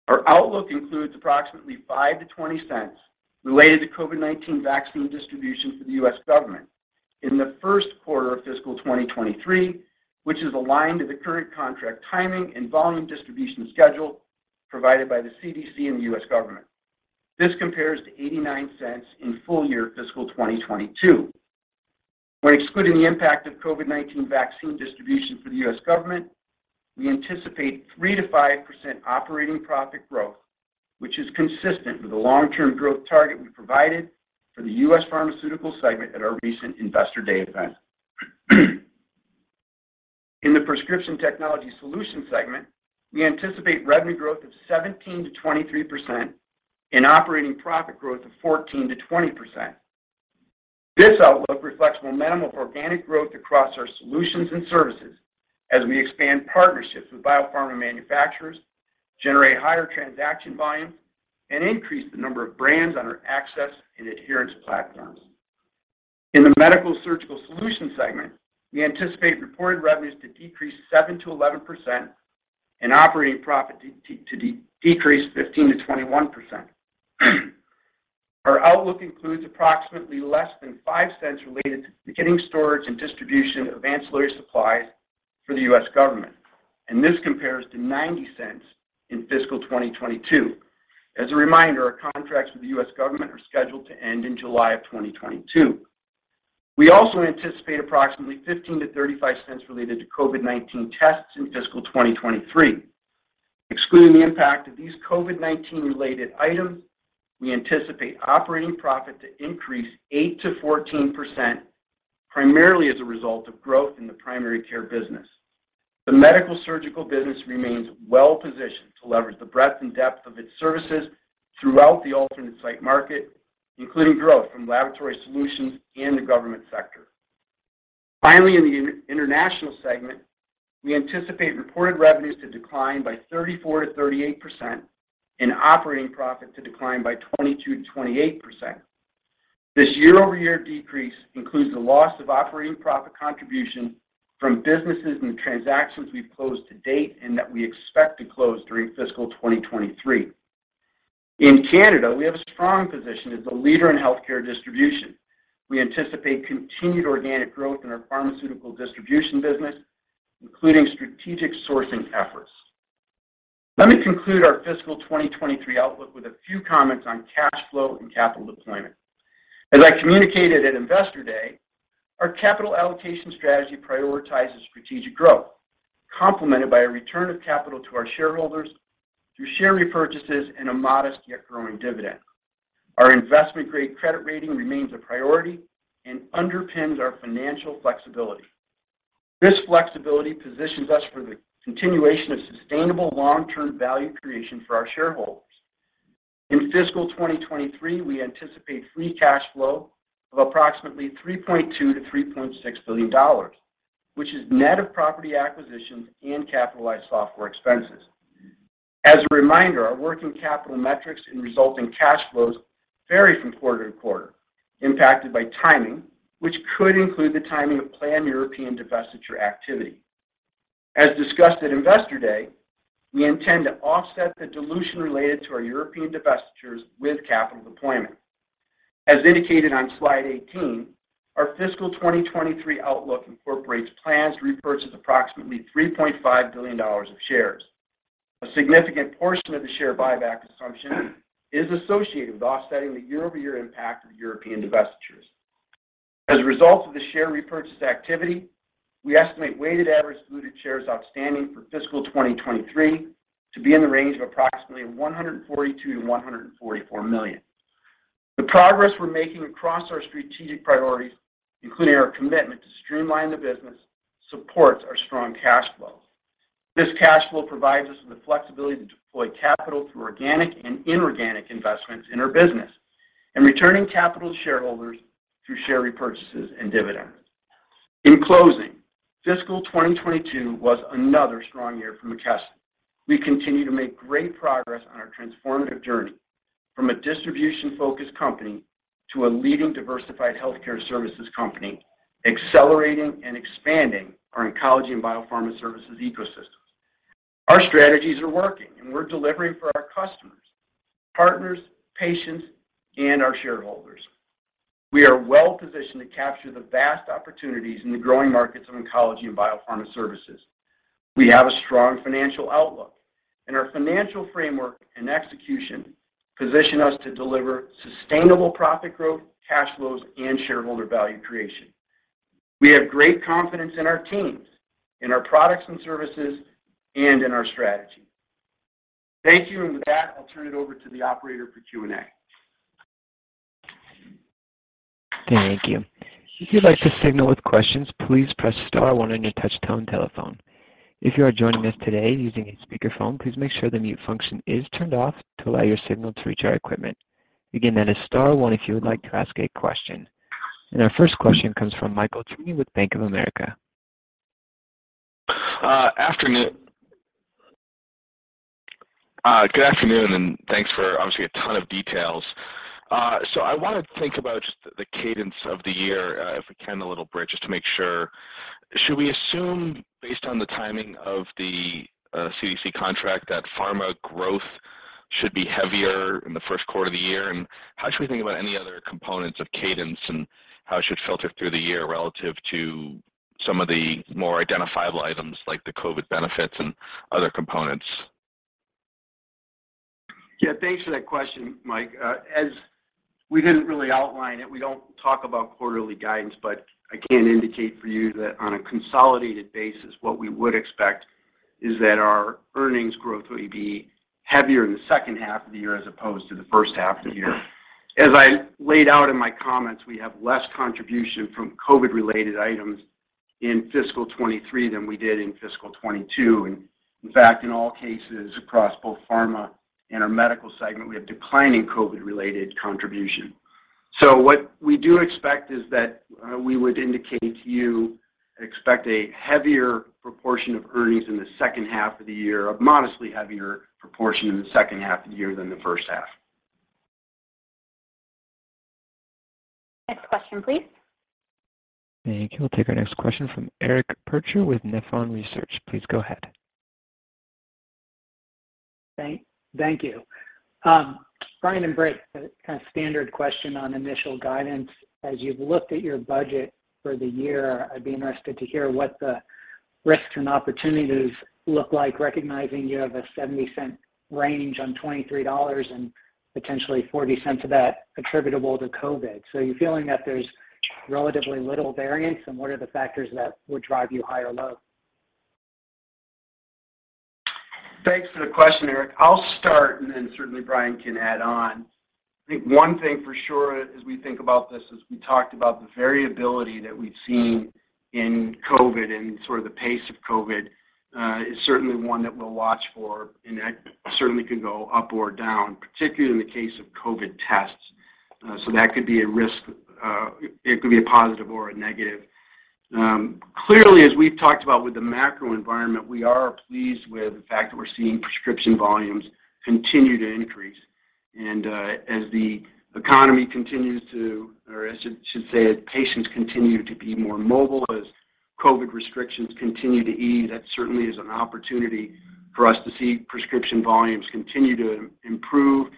S4: Our outlook includes approximately $0.05-$0.20 related to COVID-19 vaccine distribution for the U.S. government in the first quarter of fiscal 2023, which is aligned to the current contract timing and volume distribution schedule provided by the CDC and the US government. This compares to $0.89 in full year fiscal 2022. When excluding the impact of COVID-19 vaccine distribution for the US government, we anticipate 3%-5% operating profit growth, which is consistent with the long-term growth target we provided for the U.S. Pharmaceutical segment at our recent Investor Day event. In the Prescription Technology Solutions segment, we anticipate revenue growth of 17%-23% and operating profit growth of 14%-20%. This outlook reflects momentum of organic growth across our solutions and services as we expand partnerships with biopharma manufacturers, generate higher transaction volume, and increase the number of brands on our access and adherence platforms. In the Medical-Surgical Solutions segment, we anticipate reported revenues to decrease 7%-11% and operating profit to decrease 15%-21%. Our outlook includes approximately less than $0.05 related to the kitting storage and distribution of ancillary supplies for the U.S. government, and this compares to $0.90 in fiscal 2022. As a reminder, our contracts with the U.S. government are scheduled to end in July 2022. We also anticipate approximately $0.15-$0.35 related to COVID-19 tests in fiscal 2023. Excluding the impact of these COVID-19 related items, we anticipate operating profit to increase 8%-14%, primarily as a result of growth in the primary care business. The Medical-Surgical business remains well-positioned to leverage the breadth and depth of its services throughout the alternate site market, including growth from laboratory solutions and the government sector. Finally, in the International segment, we anticipate reported revenues to decline by 34%-38% and operating profit to decline by 22%-28%. This year-over-year decrease includes the loss of operating profit contribution from businesses and transactions we've closed to date and that we expect to close during fiscal 2023. In Canada, we have a strong position as a leader in healthcare distribution. We anticipate continued organic growth in our pharmaceutical distribution business, including strategic sourcing efforts. Let me conclude our fiscal 2023 outlook with a few comments on cash flow and capital deployment. As I communicated at Investor Day, our capital allocation strategy prioritizes strategic growth, complemented by a return of capital to our shareholders through share repurchases and a modest yet growing dividend. Our investment-grade credit rating remains a priority and underpins our financial flexibility. This flexibility positions us for the continuation of sustainable long-term value creation for our shareholders. In fiscal 2023, we anticipate free cash flow of approximately $3.2 billion-$3.6 billion, which is net of property acquisitions and capitalized software expenses. As a reminder, our working capital metrics and resulting cash flows vary from quarter to quarter, impacted by timing, which could include the timing of planned European divestiture activity. As discussed at Investor Day, we intend to offset the dilution related to our European divestitures with capital deployment. As indicated on slide 18, our fiscal 2023 outlook incorporates plans to repurchase approximately $3.5 billion of shares. A significant portion of the share buyback assumption is associated with offsetting the year-over-year impact of European divestitures. As a result of the share repurchase activity, we estimate weighted average diluted shares outstanding for fiscal 2023 to be in the range of approximately 142 million-144 million. The progress we're making across our strategic priorities, including our commitment to streamline the business, supports our strong cash flows. This cash flow provides us with the flexibility to deploy capital through organic and inorganic investments in our business and returning capital to shareholders through share repurchases and dividends. In closing, fiscal 2022 was another strong year for McKesson. We continue to make great progress on our transformative journey from a distribution-focused company to a leading diversified healthcare services company, accelerating and expanding our oncology and biopharma services ecosystems. Our strategies are working, and we're delivering for our customers, partners, patients, and our shareholders. We are well positioned to capture the vast opportunities in the growing markets of oncology and biopharma services. We have a strong financial outlook, and our financial framework and execution position us to deliver sustainable profit growth, cash flows, and shareholder value creation. We have great confidence in our teams, in our products and services, and in our strategy. Thank you. With that, I'll turn it over to the operator for Q&A.
S1: Thank you. If you'd like to signal with questions, please press star one on your touch-tone telephone. If you are joining us today using a speakerphone, please make sure the mute function is turned off to allow your signal to reach our equipment. Again, that is star one if you would like to ask a question. Our first question comes from Michael Cherny with Bank of America.
S5: Good afternoon, and thanks for obviously a ton of details. I want to think about just the cadence of the year, if we can a little bit just to make sure. Should we assume based on the timing of the CDC contract that pharma growth should be heavier in the first quarter of the year? How should we think about any other components of cadence and how it should filter through the year relative to some of the more identifiable items like the COVID benefits and other components?
S4: Yeah, thanks for that question, Mike. As we didn't really outline it, we don't talk about quarterly guidance, but I can indicate for you that on a consolidated basis, what we would expect is that our earnings growth will be heavier in the second half of the year as opposed to the first half of the year. As I laid out in my comments, we have less contribution from COVID-related items in fiscal 2023 than we did in fiscal 2022. In fact, in all cases across both pharma and our medical segment, we have declining COVID-related contribution. What we do expect is a heavier proportion of earnings in the second half of the year, a modestly heavier proportion in the second half of the year than the first half.
S2: Next question, please.
S1: Thank you. We'll take our next question from Eric Percher with Nephron Research. Please go ahead.
S6: Thank you. Brian and Britt, kind of standard question on initial guidance. As you've looked at your budget for the year, I'd be interested to hear what the risks and opportunities look like, recognizing you have a 70-cent range on $23 and potentially $0.40 of that attributable to COVID. Are you feeling that there's relatively little variance, and what are the factors that would drive you high or low?
S4: Thanks for the question, Eric. I'll start, and then certainly Brian can add on. I think one thing for sure as we think about this, as we talked about the variability that we've seen in COVID and sort of the pace of COVID, is certainly one that we'll watch for, and that certainly can go up or down, particularly in the case of COVID tests. That could be a risk, it could be a positive or a negative. Clearly, as we've talked about with the macro environment, we are pleased with the fact that we're seeing prescription volumes continue to increase. As the economy continues to, or as I should say, as patients continue to be more mobile, as COVID restrictions continue to ease, that certainly is an opportunity for us to see prescription volumes continue to improve,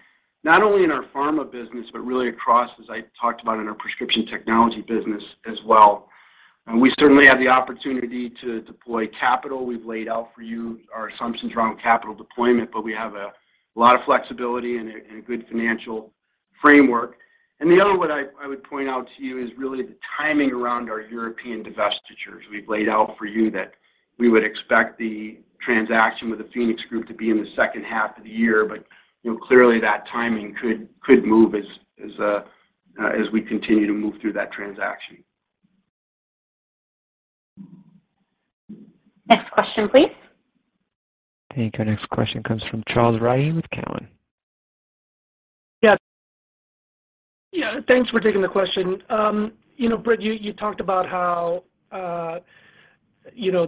S4: not only in our pharma business, but really across, as I talked about in our prescription technology business as well. We certainly have the opportunity to deploy capital. We've laid out for you our assumptions around capital deployment, but we have a lot of flexibility and a good financial framework. The other one I would point out to you is really the timing around our European divestitures. We've laid out for you that we would expect the transaction with the PHOENIX group to be in the second half of the year, but, you know, clearly that timing could move as we continue to move through that transaction.
S2: Next question, please.
S1: I think our next question comes from Charles Rhyee with Cowen.
S7: Yes. Yeah, thanks for taking the question. You know, Britt, you talked about how your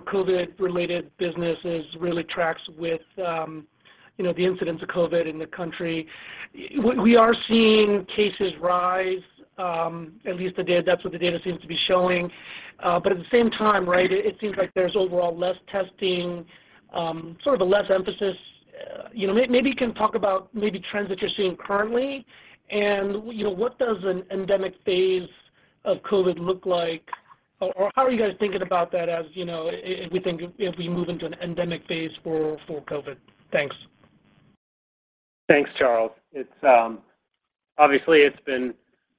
S7: COVID-related businesses really tracks with you know, the incidence of COVID in the country. We are seeing cases rise, at least that's what the data seems to be showing. But at the same time, right, it seems like there's overall less testing, sort of a less emphasis. You know, maybe you can talk about maybe trends that you're seeing currently and, you know, what does an endemic phase of COVID look like, or how are you guys thinking about that as, you know, if we think if we move into an endemic phase for COVID? Thanks.
S3: Thanks, Charles. It's obviously been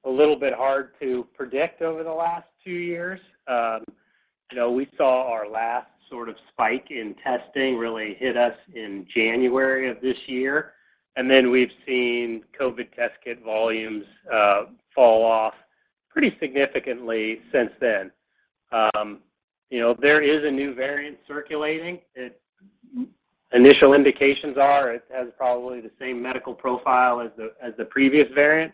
S3: a little bit hard to predict over the last two years. You know, we saw our last sort of spike in testing really hit us in January of this year, and then we've seen COVID test kit volumes fall off pretty significantly since then. You know, there is a new variant circulating. Initial indications are it has probably the same medical profile as the previous variant,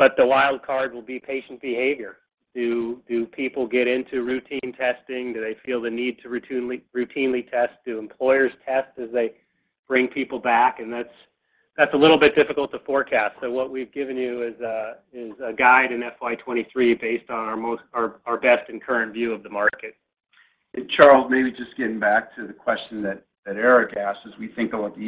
S3: but the wild card will be patient behavior. Do people get into routine testing? Do they feel the need to routinely test? Do employers test as they bring people back? That's a little bit difficult to forecast. What we've given you is a guide in FY 2023 based on our best and current view of the market.
S4: Charles, maybe just getting back to the question that Eric asked, as we think about the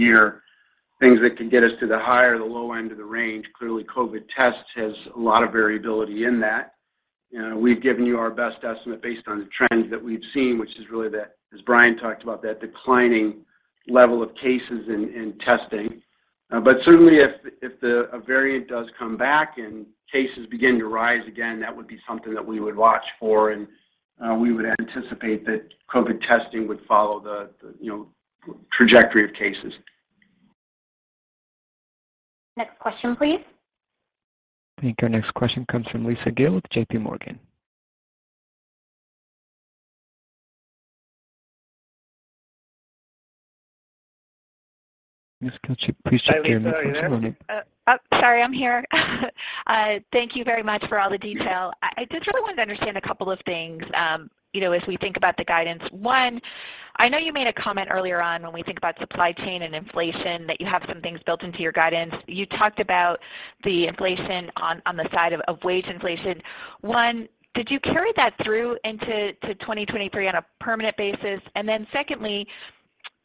S4: year, things that can get us to the high or the low end of the range, clearly COVID tests has a lot of variability in that. You know, we've given you our best estimate based on the trends that we've seen, which is really that, as Brian talked about, that declining level of cases in testing. But certainly if a variant does come back and cases begin to rise again, that would be something that we would watch for, and we would anticipate that COVID testing would follow the you know, trajectory of cases.
S2: Next question, please.
S1: I think our next question comes from Lisa Gill with JPMorgan. Please check in.
S3: Hi, Lisa. Are you there?
S8: Oh, sorry, I'm here. Thank you very much for all the detail. I just really wanted to understand a couple of things, you know, as we think about the guidance. One, I know you made a comment earlier on when we think about supply chain and inflation, that you have some things built into your guidance. You talked about the inflation on the side of wage inflation. One, did you carry that through into 2023 on a permanent basis? Secondly,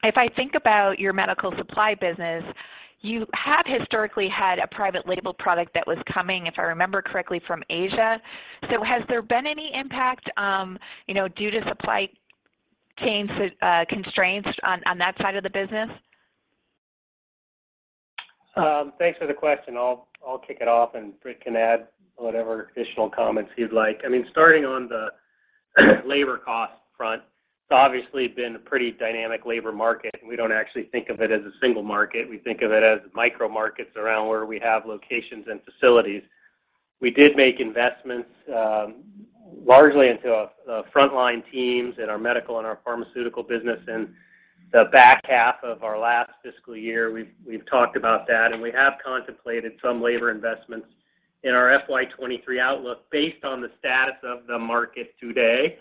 S8: if I think about your medical supply business, you have historically had a private label product that was coming, if I remember correctly, from Asia. Has there been any impact, you know, due to supply chain constraints on that side of the business?
S3: Thanks for the question. I'll kick it off, and Britt can add whatever additional comments he'd like. I mean, starting on the labor cost front, it's obviously been a pretty dynamic labor market, and we don't actually think of it as a single market. We think of it as micro markets around where we have locations and facilities. We did make investments, largely into frontline teams in our medical and our pharmaceutical business in the back half of our last fiscal year. We've talked about that, and we have contemplated some labor investments in our FY 2023 outlook based on the status of the market today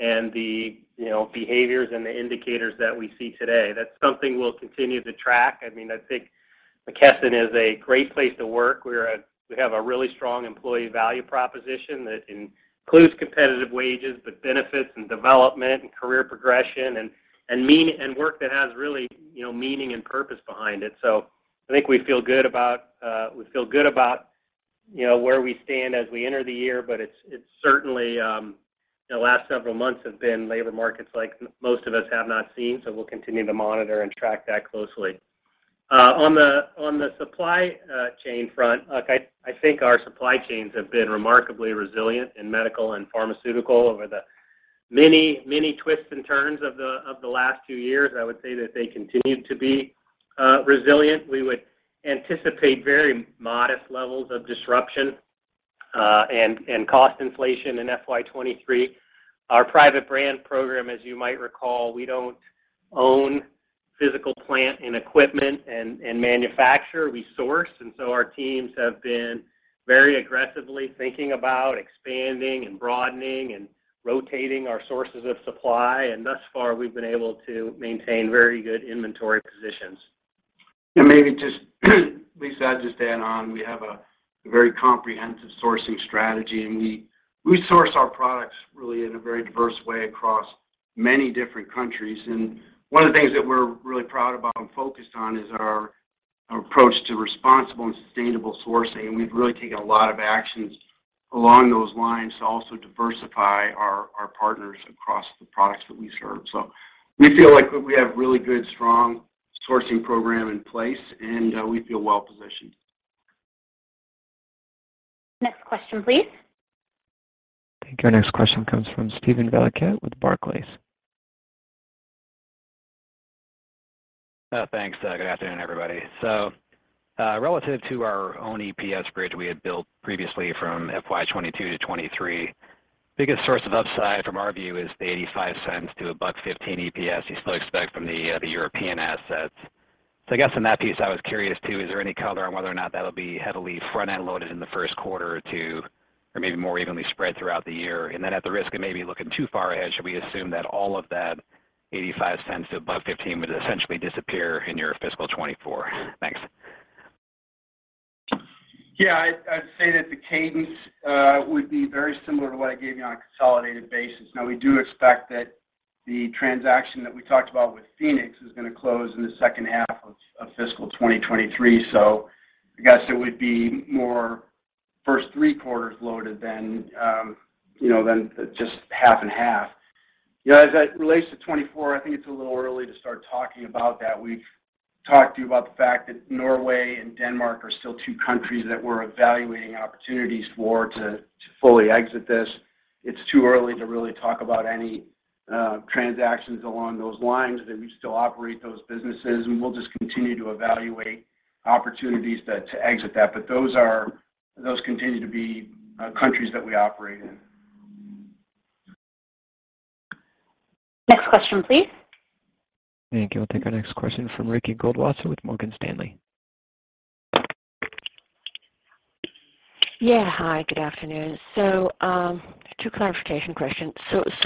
S3: and the, you know, behaviors and the indicators that we see today. That's something we'll continue to track. I mean, I think McKesson is a great place to work, where we have a really strong employee value proposition that includes competitive wages, but benefits and development and career progression and work that has really, you know, meaning and purpose behind it. I think we feel good about you know, where we stand as we enter the year, but it's certainly the last several months have been labor markets like most of us have not seen. We'll continue to monitor and track that closely. On the supply chain front, look, I think our supply chains have been remarkably resilient in medical and pharmaceutical over the many, many twists and turns of the last two years. I would say that they continue to be resilient. We would anticipate very modest levels of disruption, and cost inflation in FY 2023. Our private brand program, as you might recall, we don't own physical plant and equipment and manufacture, we source. Our teams have been very aggressively thinking about expanding and broadening and rotating our sources of supply. Thus far, we've been able to maintain very good inventory positions.
S4: Maybe just Lisa, I'll just add on, we have a very comprehensive sourcing strategy, and we source our products really in a very diverse way across many different countries. One of the things that we're really proud about and focused on is our approach to responsible and sustainable sourcing. We've really taken a lot of actions along those lines to also diversify our partners across the products that we serve. We feel like we have really good, strong sourcing program in place, and we feel well-positioned.
S2: Next question, please.
S1: I think our next question comes from Steven Valiquette with Barclays.
S9: Thanks. Good afternoon, everybody. Relative to our own EPS bridge we had built previously from FY 2022-2023, biggest source of upside from our view is the $0.85-$1.15 EPS you still expect from the European assets. I guess in that piece, I was curious, too, is there any color on whether or not that'll be heavily front-end loaded in the first quarter or two or maybe more evenly spread throughout the year? Then at the risk of maybe looking too far ahead, should we assume that all of that $0.85-$1.15 would essentially disappear in your fiscal 2024? Thanks.
S4: Yeah. I'd say that the cadence would be very similar to what I gave you on a consolidated basis. Now, we do expect that the transaction that we talked about with PHOENIX is gonna close in the second half of fiscal 2023. So I guess it would be more first three-quarters loaded than you know, than just half and half. You know, as that relates to 2024, I think it's a little early to start talking about that. We've talked to you about the fact that Norway and Denmark are still two countries that we're evaluating opportunities for to fully exit this. It's too early to really talk about any transactions along those lines, that we still operate those businesses, and we'll just continue to evaluate opportunities to exit that. Those continue to be countries that we operate in.
S2: Next question, please.
S1: Thank you. I'll take our next question from Ricky Goldwasser with Morgan Stanley.
S10: Yeah. Hi, good afternoon. Two clarification questions.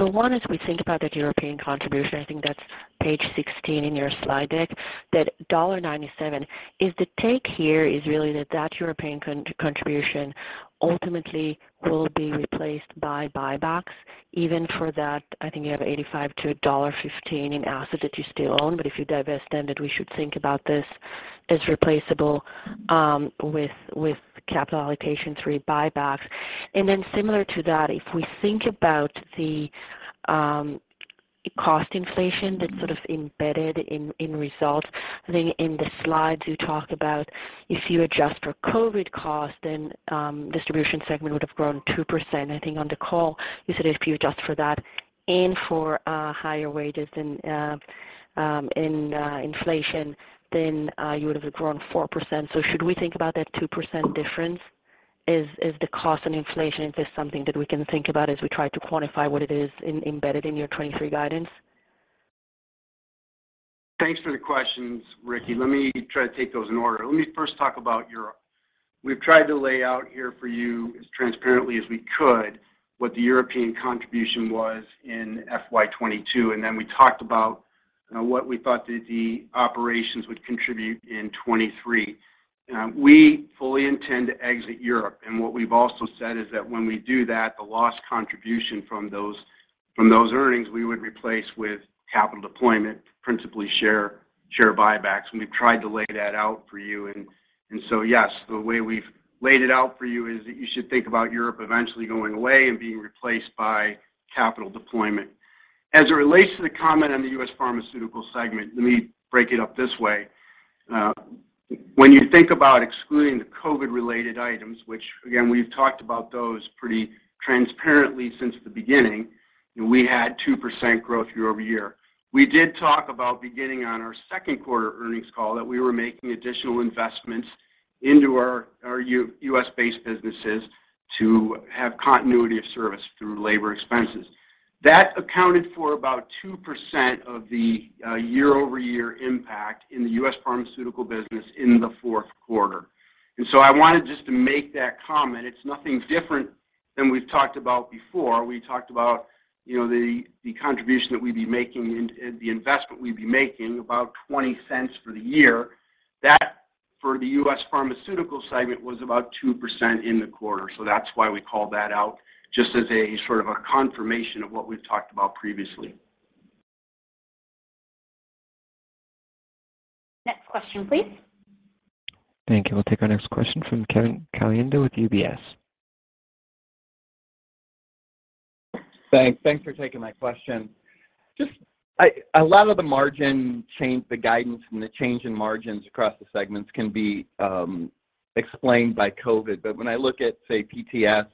S10: One, as we think about that European contribution, I think that's page 16 in your slide deck, that $1.97. Is the take here really that European contribution ultimately will be replaced by buybacks even for that, I think you have $0.85-$1.15 in assets that you still own. But if you divest them, we should think about this as replaceable with capital allocation buybacks. Then similar to that, if we think about the cost inflation that's sort of embedded in results. I think in the slides, you talked about if you adjust for COVID costs, then distribution segment would have grown 2%. I think on the call you said if you adjust for that and for higher wages and inflation, then you would have grown 4%. Should we think about that 2% difference? Is the cost and inflation? Is this something that we can think about as we try to quantify what it is embedded in your 2023 guidance?
S4: Thanks for the questions, Ricky. Let me try to take those in order. Let me first talk about Europe. We've tried to lay out here for you as transparently as we could what the European contribution was in FY 2022, and then we talked about, you know, what we thought that the operations would contribute in 2023. We fully intend to exit Europe. What we've also said is that when we do that, the lost contribution from those earnings, we would replace with capital deployment, principally share buybacks. We've tried to lay that out for you. Yes, the way we've laid it out for you is that you should think about Europe eventually going away and being replaced by capital deployment. As it relates to the comment on the U.S. pharmaceutical segment, let me break it up this way. When you think about excluding the COVID-related items, which again, we've talked about those pretty transparently since the beginning, and we had 2% growth year-over-year. We did talk about beginning on our second quarter earnings call that we were making additional investments into our U.S.-based businesses to have continuity of service through labor expenses. That accounted for about 2% of the year-over-year impact in the U.S. Pharmaceutical business in the fourth quarter. I wanted just to make that comment. It's nothing different than we've talked about before. We talked about, you know, the contribution that we'd be making and the investment we'd be making, about $0.20 for the year. That for the U.S. Pharmaceutical segment was about 2% in the quarter. That's why we called that out, just as a sort of a confirmation of what we've talked about previously.
S2: Next question, please.
S1: Thank you. We'll take our next question from Kevin Caliendo with UBS.
S11: Thanks. Thanks for taking my question. Just a lot of the margin change, the guidance and the change in margins across the segments can be explained by COVID, but when I look at, say, PTS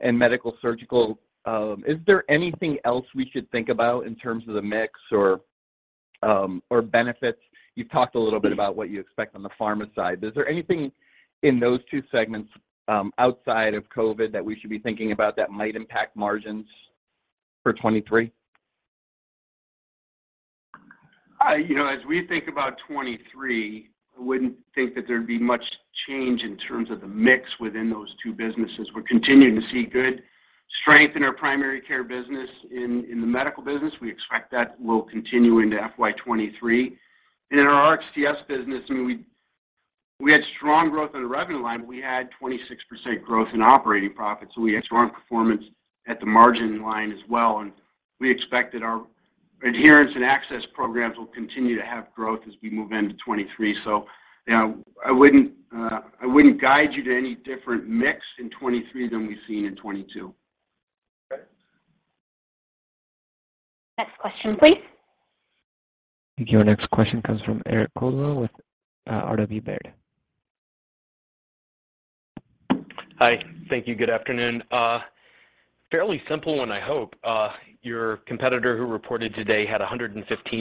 S11: and Medical-Surgical, is there anything else we should think about in terms of the mix or benefits. You've talked a little bit about what you expect on the pharma side. Is there anything in those two segments, outside of COVID that we should be thinking about that might impact margins for 2023?
S4: You know, as we think about 2023, I wouldn't think that there'd be much change in terms of the mix within those two businesses. We're continuing to see good strength in our primary care business in the Medical-Surgical business. We expect that will continue into FY 2023. In our RxTS business, I mean, we had strong growth in the revenue line, but we had 26% growth in operating profits, so we had strong performance at the margin line as well. We expect that our adherence and access programs will continue to have growth as we move into 2023. You know, I wouldn't guide you to any different mix in 2023 than we've seen in 2022.
S11: Okay.
S2: Next question, please.
S1: I think your next question comes from Eric Coldwell with Robert W. Baird.
S12: Hi. Thank you. Good afternoon. Fairly simple one, I hope. Your competitor who reported today had $115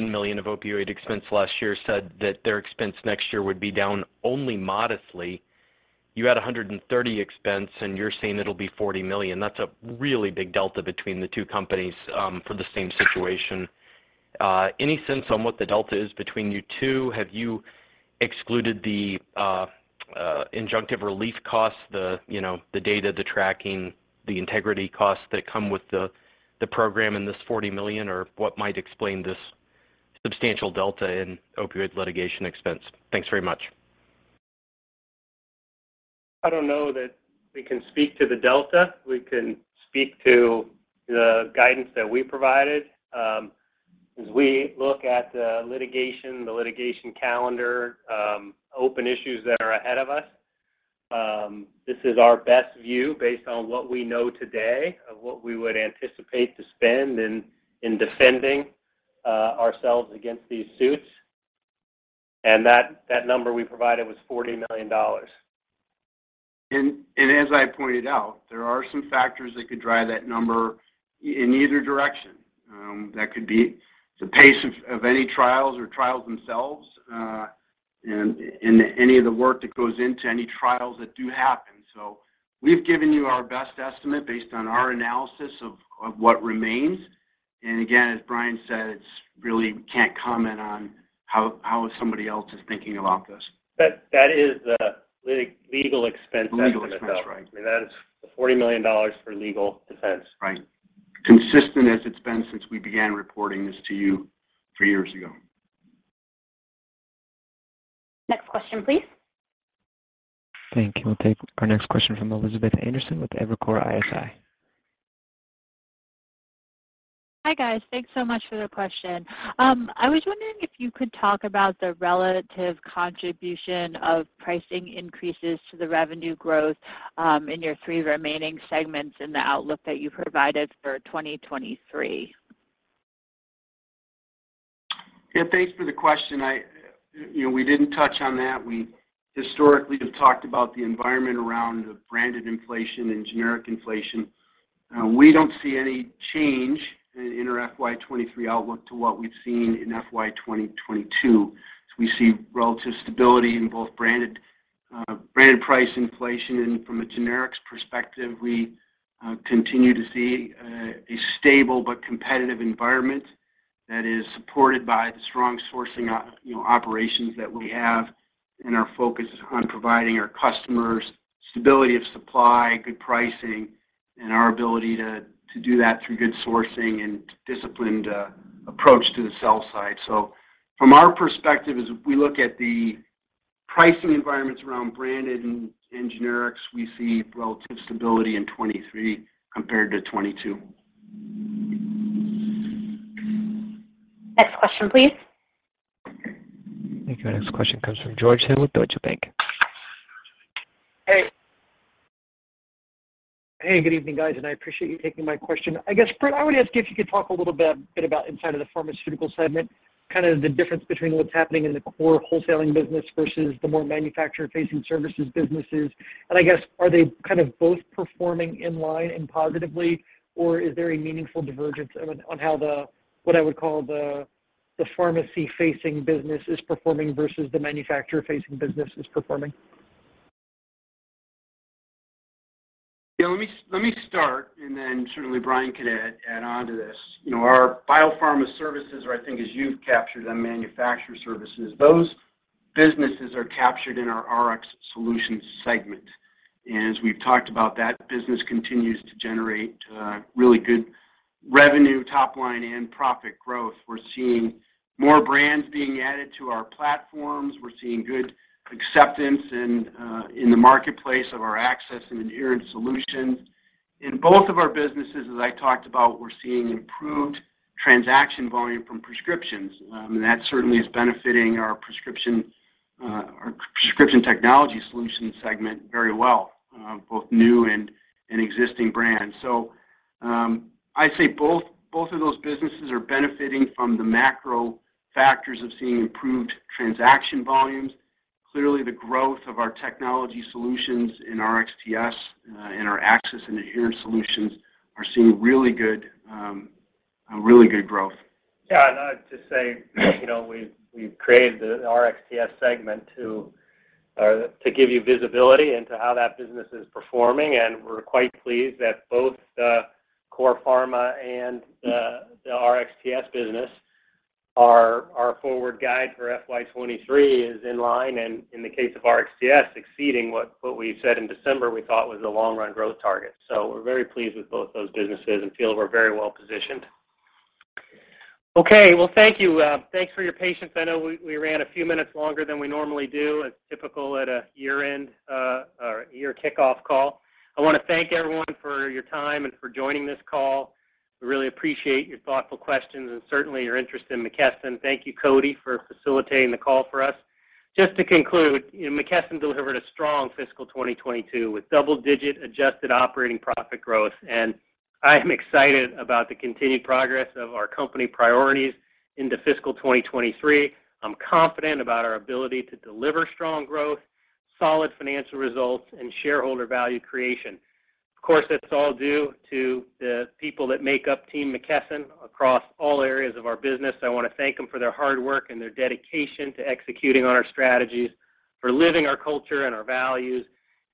S12: million of opioid expense last year, said that their expense next year would be down only modestly. You had $130 million expense, and you're saying it'll be $40 million. That's a really big delta between the two companies, for the same situation. Any sense on what the delta is between you two? Have you excluded the injunctive relief costs, the, you know, the data, the tracking, the integrity costs that come with the program in this $40 million, or what might explain this substantial delta in opioid litigation expense? Thanks very much.
S4: I don't know that we can speak to the delta. We can speak to the guidance that we provided. As we look at the litigation, the litigation calendar, open issues that are ahead of us, this is our best view based on what we know today of what we would anticipate to spend in defending ourselves against these suits. That number we provided was $40 million. As I pointed out, there are some factors that could drive that number in either direction. That could be the pace of any trials or trials themselves, and any of the work that goes into any trials that do happen. We've given you our best estimate based on our analysis of what remains. Again, as Brian said, it's really, we can't comment on how somebody else is thinking about this.
S3: That is the legal expense estimate, though.
S4: Legal expense, right.
S3: I mean, that is the $40 million for legal defense.
S4: Right. Consistent as it's been since we began reporting this to you three years ago.
S2: Next question, please.
S1: Thank you. We'll take our next question from Elizabeth Anderson with Evercore ISI.
S13: Hi, guys. Thanks so much for the question. I was wondering if you could talk about the relative contribution of pricing increases to the revenue growth, in your three remaining segments in the outlook that you provided for 2023.
S3: Yeah. Thanks for the question. You know, we didn't touch on that. We historically have talked about the environment around branded inflation and generic inflation. We don't see any change in our FY 2023 outlook to what we've seen in FY 2022. We see relative stability in both branded price inflation, and from a generics perspective, we continue to see a stable but competitive environment that is supported by the strong sourcing operations that we have and our focus on providing our customers stability of supply, good pricing, and our ability to do that through good sourcing and disciplined approach to the sell side. From our perspective, as we look at the pricing environments around branded and generics, we see relative stability in 2023 compared to 2022.
S2: Next question, please.
S1: I think our next question comes from George Hill with Deutsche Bank.
S4: Hey.
S14: Hey, good evening, guys, and I appreciate you taking my question. I guess, Britt, I would ask if you could talk a little bit about inside of the pharmaceutical segment, kind of the difference between what's happening in the core wholesaling business versus the more manufacturer-facing services businesses. I guess, are they kind of both performing in line and positively, or is there a meaningful divergence on how the what I would call the pharmacy-facing business is performing versus the manufacturer-facing business is performing?
S4: Yeah, let me start, and then certainly Brian can add onto this. You know, our biopharma services or I think as you've captured them, manufacturer services, those businesses are captured in our RxTS segment. As we've talked about, that business continues to generate really good revenue, top line, and profit growth. We're seeing more brands being added to our platforms. We're seeing good acceptance in the marketplace of our access and adherence solutions. In both of our businesses, as I talked about, we're seeing improved transaction volume from prescriptions. That certainly is benefiting our prescription technology solutions segment very well, both new and existing brands. I'd say both of those businesses are benefiting from the macro factors of seeing improved transaction volumes. Clearly, the growth of our technology solutions in RxTS, and our access and adherence solutions are seeing really good growth.
S3: Yeah, I'd just say, you know, we've created the RxTS segment to give you visibility into how that business is performing, and we're quite pleased that both the core pharma and the RxTS business, our forward guide for FY 2023 is in line, and in the case of RxTS, exceeding what we said in December we thought was the long-run growth target. So we're very pleased with both those businesses and feel we're very well-positioned. Okay. Well, thank you. Thanks for your patience. I know we ran a few minutes longer than we normally do, as typical at a year-end or year kickoff call. I wanna thank everyone for your time and for joining this call. We really appreciate your thoughtful questions and certainly your interest in McKesson. Thank you, Cody, for facilitating the call for us. Just to conclude, you know, McKesson delivered a strong fiscal 2022 with double-digit adjusted operating profit growth, and I am excited about the continued progress of our company priorities into fiscal 2023. I'm confident about our ability to deliver strong growth, solid financial results, and shareholder value creation. Of course, that's all due to the people that make up Team McKesson across all areas of our business. I wanna thank them for their hard work and their dedication to executing on our strategies, for living our culture and our values,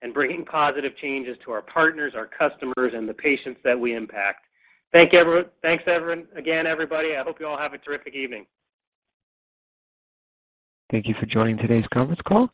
S3: and bringing positive changes to our partners, our customers, and the patients that we impact. Thanks, everyone. Again, everybody, I hope you all have a terrific evening.
S1: Thank you for joining today's conference call.